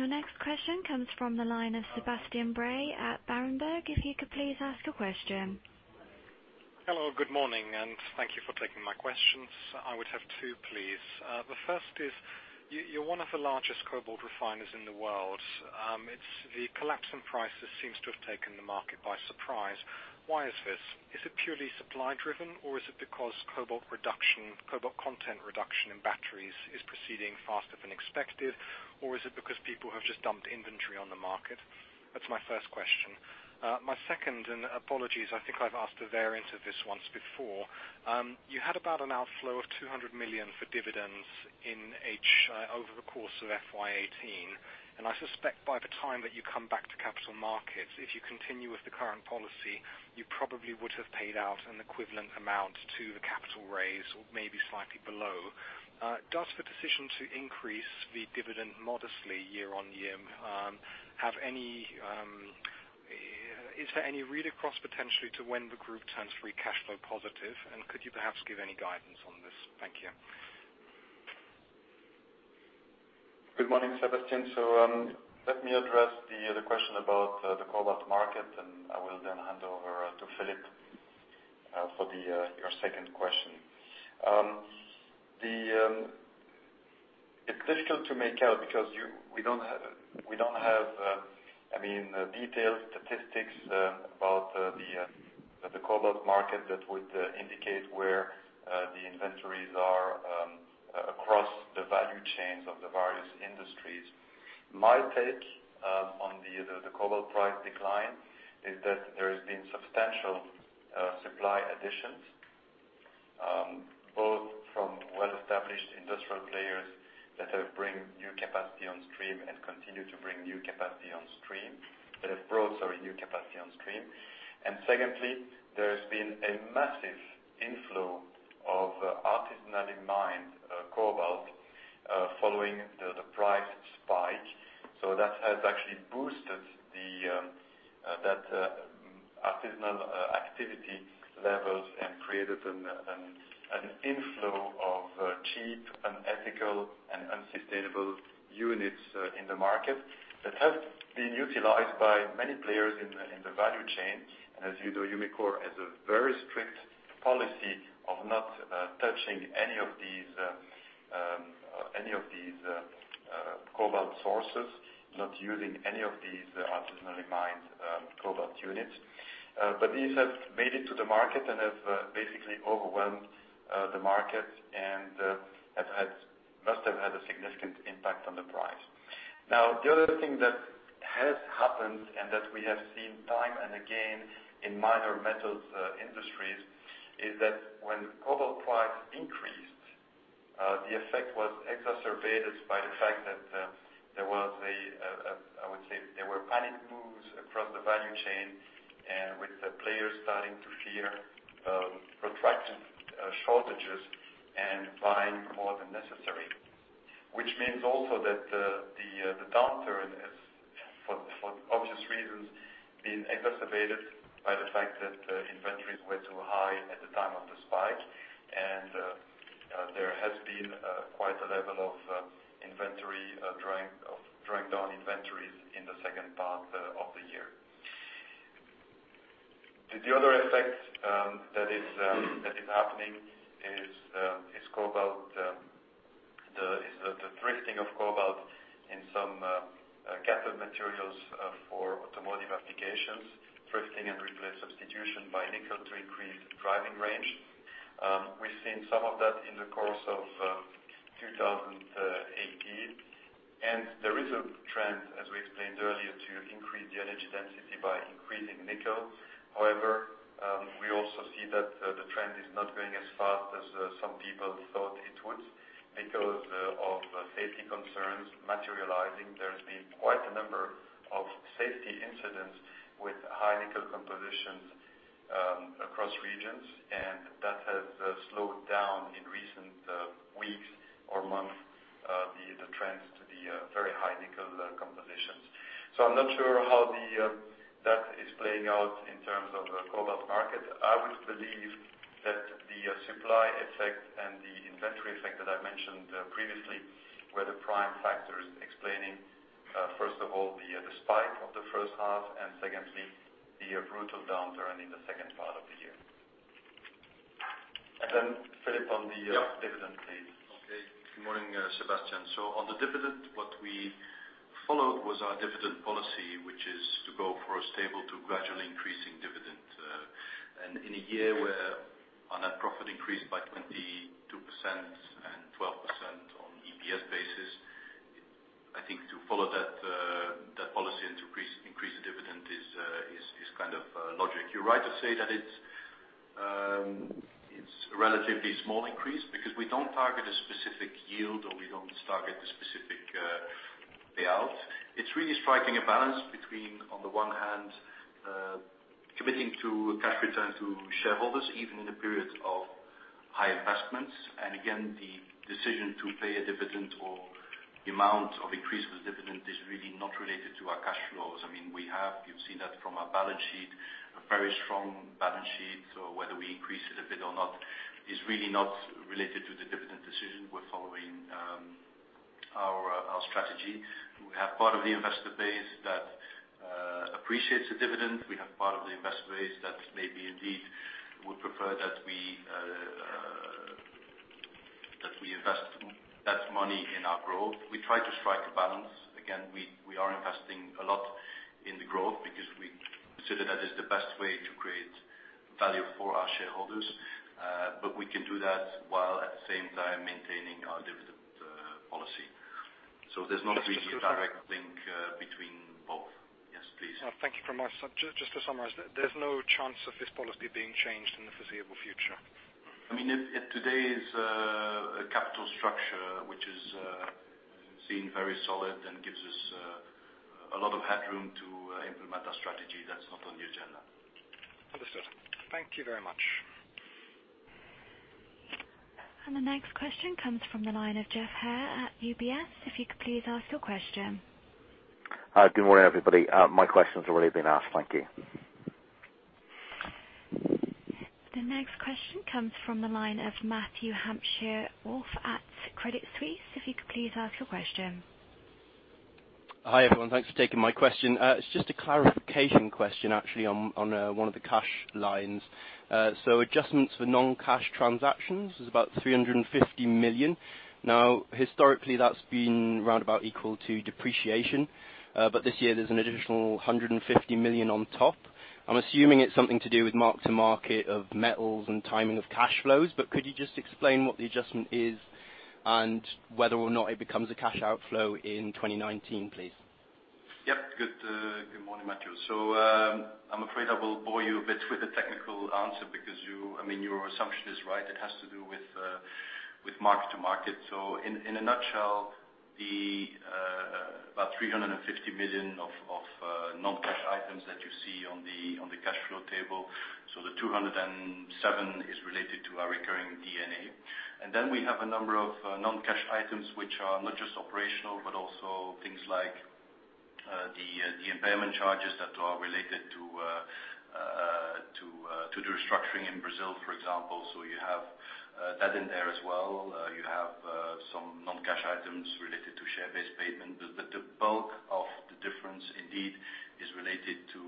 Your next question comes from the line of Sebastian Bray at Berenberg. If you could please ask your question. Hello. Good morning. Thank you for taking my questions. I would have two, please. The first is, you're one of the largest cobalt refiners in the world. The collapse in prices seems to have taken the market by surprise. Why is this? Is it purely supply-driven, or is it because cobalt content reduction in batteries is proceeding faster than expected, or is it because people have just dumped inventory on the market? That's my first question. My second. Apologies, I think I've asked a variant of this once before. You had about an outflow of 200 million for dividends over the course of FY 2018. I suspect by the time that you come back to capital markets, if you continue with the current policy, you probably would have paid out an equivalent amount to the capital raise or maybe slightly below. Does the decision to increase the dividend modestly year-on-year, is there any read across potentially to when the group turns free cash flow positive? Could you perhaps give any guidance on this? Thank you. Good morning, Sebastian. Let me address the question about the cobalt market, I will then hand over to Filip for your second question. It's difficult to make out because we don't have detailed statistics about the cobalt market that would indicate where the inventories are across the value chains of the various industries. My take on the cobalt price decline is that there has been substantial supply additions, both from well-established industrial players that have brought new capacity on stream and continue to bring new capacity on stream. Secondly, there has been a massive inflow of artisanally mined cobalt following the price spike. That has actually boosted that artisanal activity levels and created an inflow of cheap, unethical, and unsustainable units in the market that have been utilized by many players in the value chain. As you know, Umicore has a very strict policy of not touching any of these cobalt sources, not using any of these artisanally mined cobalt units. These have made it to the market and have basically overwhelmed the market and must have had a significant impact on the price. Now, the other thing that has happened and that we have seen time and again in minor metals industries is that when cobalt price increased, the effect was exacerbated by the fact that there was, I would say, panic moves across the value chain and with the players starting to fear protracted shortages and buying more than necessary, which means also that the downturn has, for obvious reasons, been exacerbated by the fact that inventories were too high at the time of the spike, and there has been quite a level of dragged-on inventories in the second part of the year. The other effect that is happening is the thrifting of cobalt in some cathode materials for automotive applications, thrifting and replacement substitution by nickel to increase driving range. We've seen some of that in the course of 2018. There is a trend, as we explained earlier, to increase the energy density by increasing nickel. However, we also see that the trend is not going as fast as some people thought it would because of safety concerns materializing. There's been quite a number of safety incidents with high nickel compositions across regions, that has slowed down in recent weeks or months, the trends to the very high nickel compositions. I'm not sure how that is playing out in terms of the cobalt market. I would believe that the supply effect and the inventory effect that I mentioned previously were the prime factors explaining, first of all, the spike of the first half, and secondly, the brutal downturn in the second part of the year. Then Filip on the- Yeah dividend, please. Okay. Good morning, Sebastian. On the dividend, what we followed was our dividend policy, which is to go for a stable to gradually increasing dividend. In a year where our net profit increased by 22% and 12% on EPS basis, I think to follow that policy and to increase the dividend is logic. You're right to say that it's a relatively small increase because we don't target a specific yield, or we don't target a specific payout. It's really striking a balance between, on the one hand, committing to cash return to shareholders, even in the periods of high investments. Again, the decision to pay a dividend or the amount of increase of the dividend is really not related to our cash flows. You've seen that from our balance sheet, a very strong balance sheet. Whether we increase it a bit or not is really not related to the dividend decision. We're following our strategy. We have part of the investor base that appreciates the dividend. We have part of the investor base that maybe indeed would prefer that we invest that money in our growth. We try to strike a balance. Again, we are investing a lot in the growth because we consider that is the best way to create value for our shareholders. We can do that while at the same time maintaining our dividend policy. There's not really. Just to summarize a direct link between both. Yes, please. Thank you very much. Just to summarize, there is no chance of this policy being changed in the foreseeable future. At today's capital structure, which is seen very solid and gives us a lot of headroom to implement our strategy, that is not on the agenda. Understood. Thank you very much. The next question comes from the line of Geoff Haire at UBS. If you could please ask your question. Good morning, everybody. My question's already been asked. Thank you. The next question comes from the line of Mathew Hampshire-Waugh at Credit Suisse. If you could please ask your question. Hi, everyone. Thanks for taking my question. It's just a clarification question, actually, on one of the cash lines. Adjustments for non-cash transactions is about 350 million. Now, historically, that's been roundabout equal to depreciation. This year, there's an additional 150 million on top. I'm assuming it's something to do with mark to market of metals and timing of cash flows. Could you just explain what the adjustment is and whether or not it becomes a cash outflow in 2019, please? Yes. Good morning, Mathew. I'm afraid I will bore you a bit with the technical answer because your assumption is right. It has to do with mark-to-market. In a nutshell, the about 350 million of non-cash items that you see on the cash flow table, the 207 is related to our recurring D&A. Then we have a number of non-cash items, which are not just operational, but also things like the impairment charges that are related to the restructuring in Brazil, for example. You have that in there as well. You have some non-cash items related to share-based payment, but the bulk of the difference indeed is related to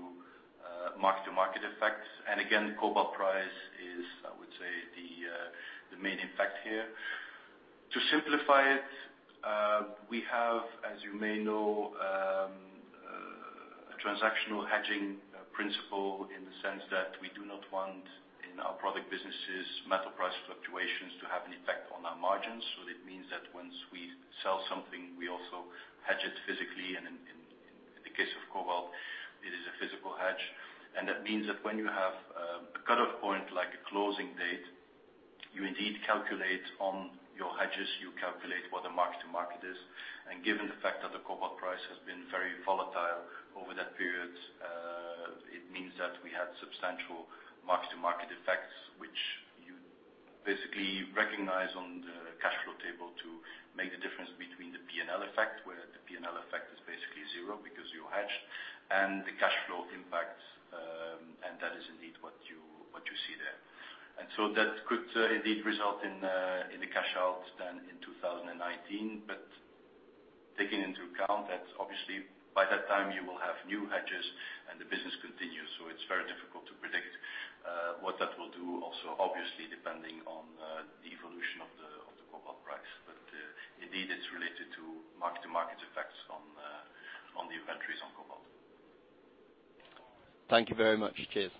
mark-to-market effects. Again, cobalt price is, I would say, the main effect here. To simplify it, we have, as you may know, a transactional hedging principle in the sense that we do not want, in our product businesses, metal price fluctuations to have an impact on our margins. That means that once we sell something, we also hedge it physically. In the case of cobalt, it is a physical hedge. That means that when you have a cutoff point, like a closing date, you indeed calculate on your hedges, you calculate what the mark-to-market is. Given the fact that the cobalt price has been very volatile over that period, it means that we had substantial mark-to-market effects, which you basically recognize on the cash flow table to make the difference between the P&L effect, where the P&L effect is basically zero because you hedge, and the cash flow impact, and that is indeed what you see there. That could indeed result in the cash out then in 2019. Taking into account that obviously by that time you will have new hedges and the business continues. It's very difficult to predict what that will do also, obviously, depending on the evolution of the cobalt price. Indeed, it's related to mark-to-market effects on the inventories on cobalt. Thank you very much. Cheers.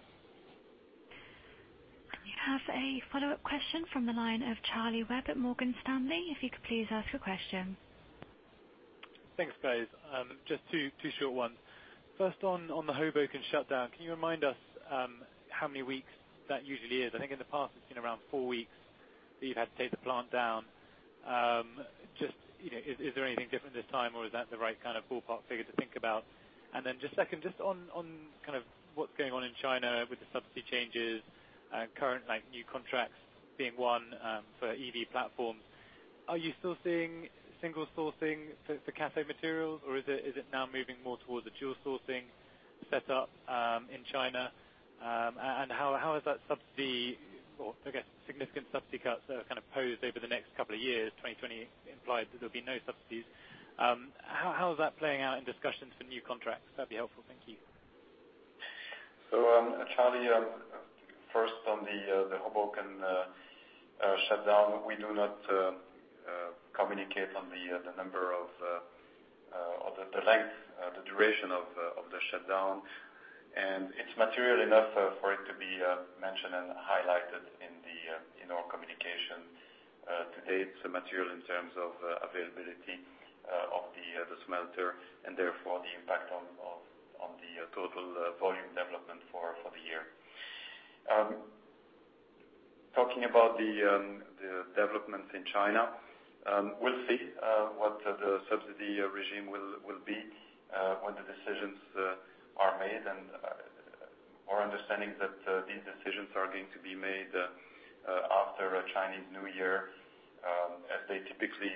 We have a follow-up question from the line of Charlie Webb at Morgan Stanley. If you could please ask your question. Thanks, guys. Just two short ones. First, on the Hoboken shutdown, can you remind us how many weeks that usually is? I think in the past it's been around four weeks that you've had to take the plant down. Is there anything different this time, or is that the right kind of ballpark figure to think about? Second, just on what's going on in China with the subsidy changes, current new contracts being won for EV platforms, are you still seeing single sourcing for cathode materials, or is it now moving more towards a dual sourcing set up in China? How has that subsidy or, I guess, significant subsidy cuts that are posed over the next couple of years, 2020 implies that there will be no subsidies. How is that playing out in discussions for new contracts? That'd be helpful. Thank you. Charlie, first on the Hoboken shutdown, we do not communicate on the number of the length, the duration of the shutdown, and it's material enough for it to be mentioned and highlighted in our communication. To date, the material in terms of availability of the smelter and therefore the impact on the total volume development for the year. Talking about the developments in China, we'll see what the subsidy regime will be when the decisions are made and our understanding that these decisions are going to be made after Chinese New Year, as they typically,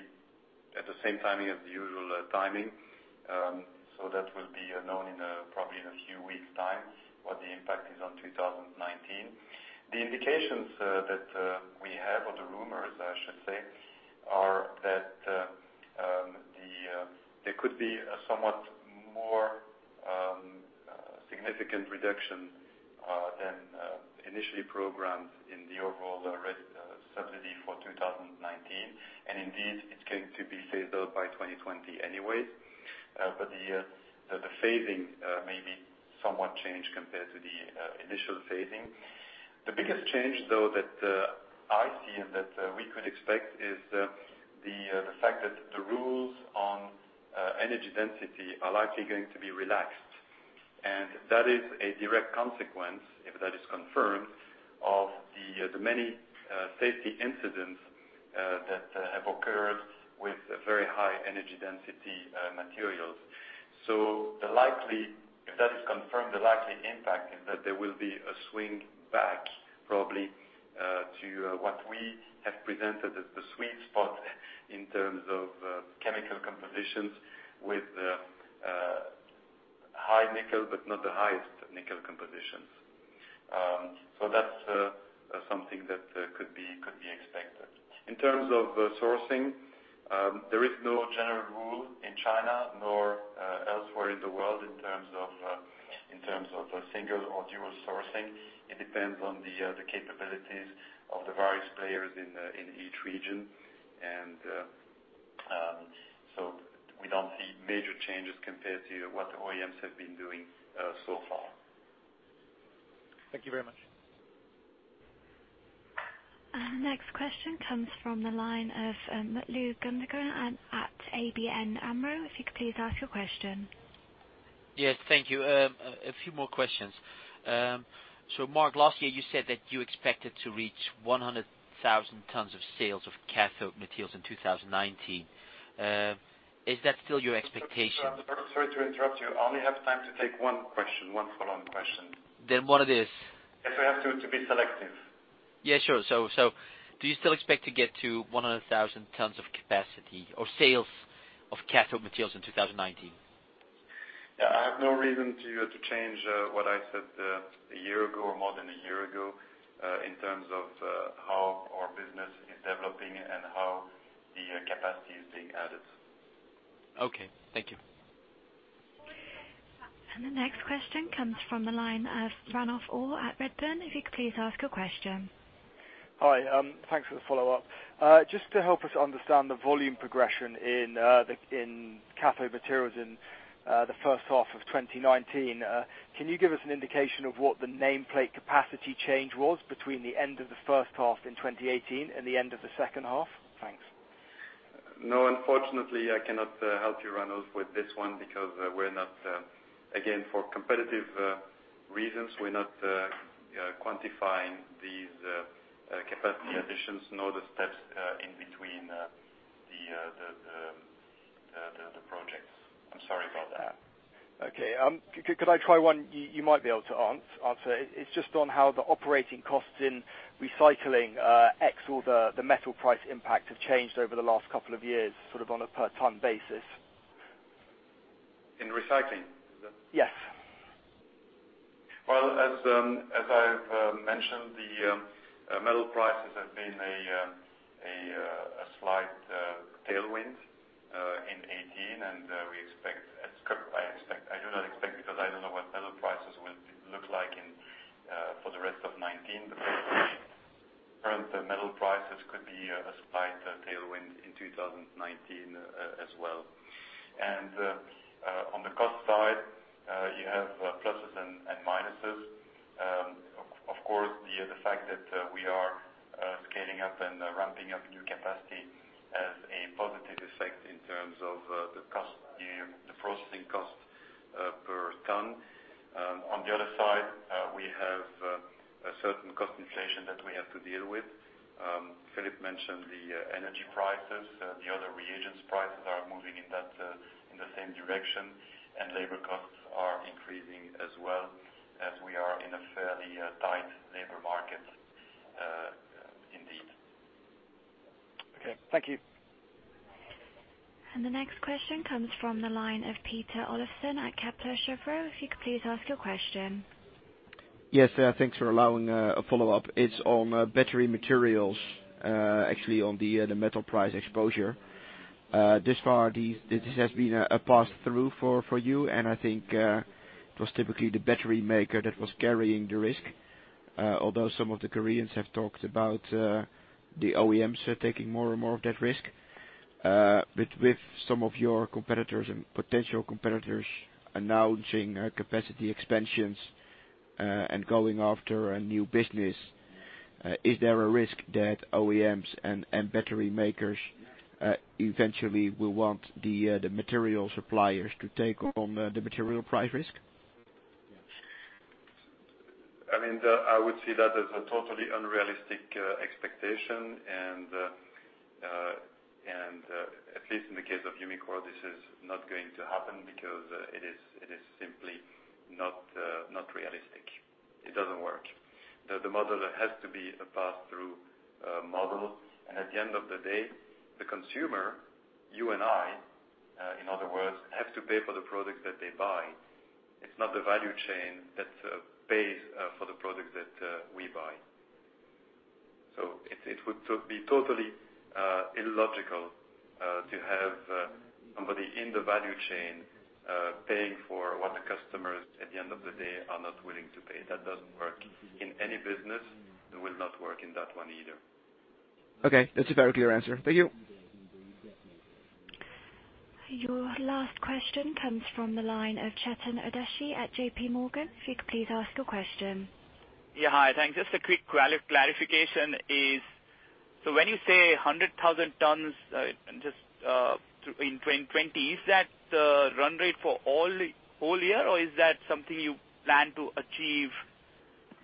at the same timing as the usual timing. That will be known probably in a few weeks time, what the impact is on 2019. The indications that we have or the rumors, I should say, are that there could be a somewhat more significant reduction than initially programmed in the overall subsidy for 2019. Indeed, it's going to be phased out by 2020 anyway. The phasing may be somewhat changed compared to the initial phasing. The biggest change, though, that I see and that we could expect is the fact that the rules on energy density are likely going to be relaxed. That is a direct consequence, if that is confirmed, of the many safety incidents that have occurred with very high energy density materials. If that is confirmed, the likely impact is that there will be a swing back probably to what we have presented as the sweet spot in terms of chemical compositions with high nickel, but not the highest nickel compositions. That's something that could be expected. In terms of sourcing, there is no general rule in China nor elsewhere in the world in terms of single or dual sourcing. It depends on the capabilities of the various players in each region. We don't see major changes compared to what OEMs have been doing so far. Thank you very much. Next question comes from the line of Mutlu Gundogan at ABN AMRO. If you could please ask your question. Yes, thank you. A few more questions. Marc, last year you said that you expected to reach 100,000 tons of sales of cathode materials in 2019. Is that still your expectation? Sorry to interrupt you. I only have time to take one question, one follow-on question. What it is? Yes, we have to be selective. Yeah, sure. Do you still expect to get to 100,000 tons of capacity or sales of cathode materials in 2019? Yeah, I have no reason to change what I said a year ago or more than a year ago, in terms of how our business is developing and how the capacity is being added. Okay. Thank you. The next question comes from the line of Ranulf Orr at Redburn. If you could please ask your question. Hi. Thanks for the follow-up. Just to help us understand the volume progression in cathode materials in the first half of 2019, can you give us an indication of what the nameplate capacity change was between the end of the first half in 2018 and the end of the second half? Thanks. No, unfortunately, I cannot help you, Ranulf, with this one because, again, for competitive reasons, we're not quantifying these capacity additions, nor the steps in between the projects. I'm sorry about that. Okay. Could I try one you might be able to answer? It's just on how the operating costs in Recycling, X, or the metal price impact have changed over the last couple of years, sort of on a per ton basis. In Recycling? Is that? Yes. Well, as I've mentioned, the metal prices have been a slight tailwind in 2018, and I do not expect, because I don't know what metal prices will look like for the rest of 2019, but currently, metal prices could be a slight tailwind in 2019 as well. We have pluses and minuses. Of course, the fact that we are scaling up and ramping up new capacity has a positive effect in terms of the processing cost per ton. On the other side, we have a certain cost inflation that we have to deal with. Filip mentioned the energy prices. The other reagents prices are moving in the same direction, and labor costs are increasing as well, as we are in a fairly tight labor market indeed. Okay. Thank you. The next question comes from the line of Peter Olofsen at Kepler Cheuvreux. If you could please ask your question. Yes. Thanks for allowing a follow-up. It's on battery materials, actually on the metal price exposure. This far, this has been a pass-through for you, and I think it was typically the battery maker that was carrying the risk. Although some of the Koreans have talked about the OEMs taking more and more of that risk. With some of your competitors and potential competitors announcing capacity expansions and going after a new business, is there a risk that OEMs and battery makers eventually will want the material suppliers to take on the material price risk? I would see that as a totally unrealistic expectation and, at least in the case of Umicore, this is not going to happen because it is simply not realistic. It doesn't work. The model has to be a pass-through model. At the end of the day, the consumer, you and I, in other words, have to pay for the products that they buy. It's not the value chain that pays for the products that we buy. It would be totally illogical to have somebody in the value chain paying for what the customers, at the end of the day, are not willing to pay. That doesn't work in any business, and will not work in that one either. Okay. That's a very clear answer. Thank you. Your last question comes from the line of Chetan Udeshi at JPMorgan. If you could please ask your question. Yeah. Hi. Thanks. Just a quick clarification is, when you say 100,000 tons in 2020, is that the run rate for all year, or is that something you plan to achieve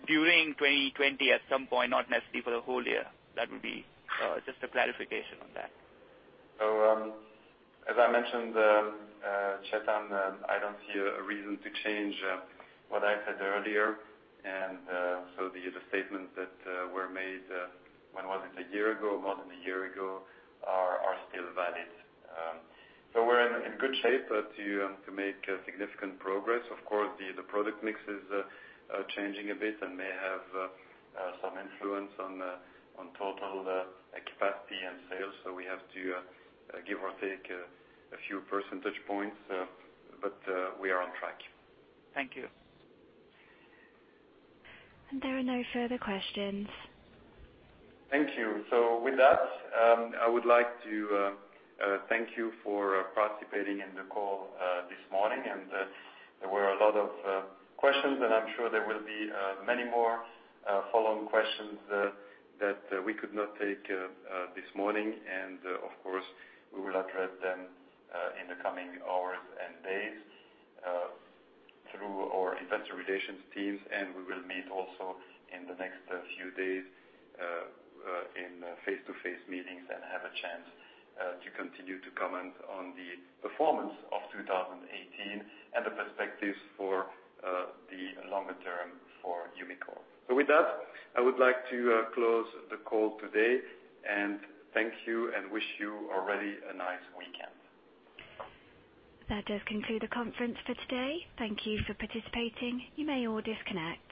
during 2020 at some point, not necessarily for the whole year? That would be just a clarification on that. As I mentioned, Chetan, I don't see a reason to change what I said earlier. The statements that were made, when was it? A year ago, more than a year ago, are still valid. We're in good shape to make significant progress. Of course, the product mix is changing a bit and may have some influence on total capacity and sales. We have to give or take a few percentage points. We are on track. Thank you. There are no further questions. Thank you. With that, I would like to thank you for participating in the call this morning. There were a lot of questions, and I'm sure there will be many more follow-on questions that we could not take this morning. Of course, we will address them in the coming hours and days through our investor relations teams. We will meet also in the next few days in face-to-face meetings and have a chance to continue to comment on the performance of 2018 and the perspectives for the longer term for Umicore. With that, I would like to close the call today and thank you and wish you already a nice weekend. That does conclude the conference for today. Thank you for participating. You may all disconnect.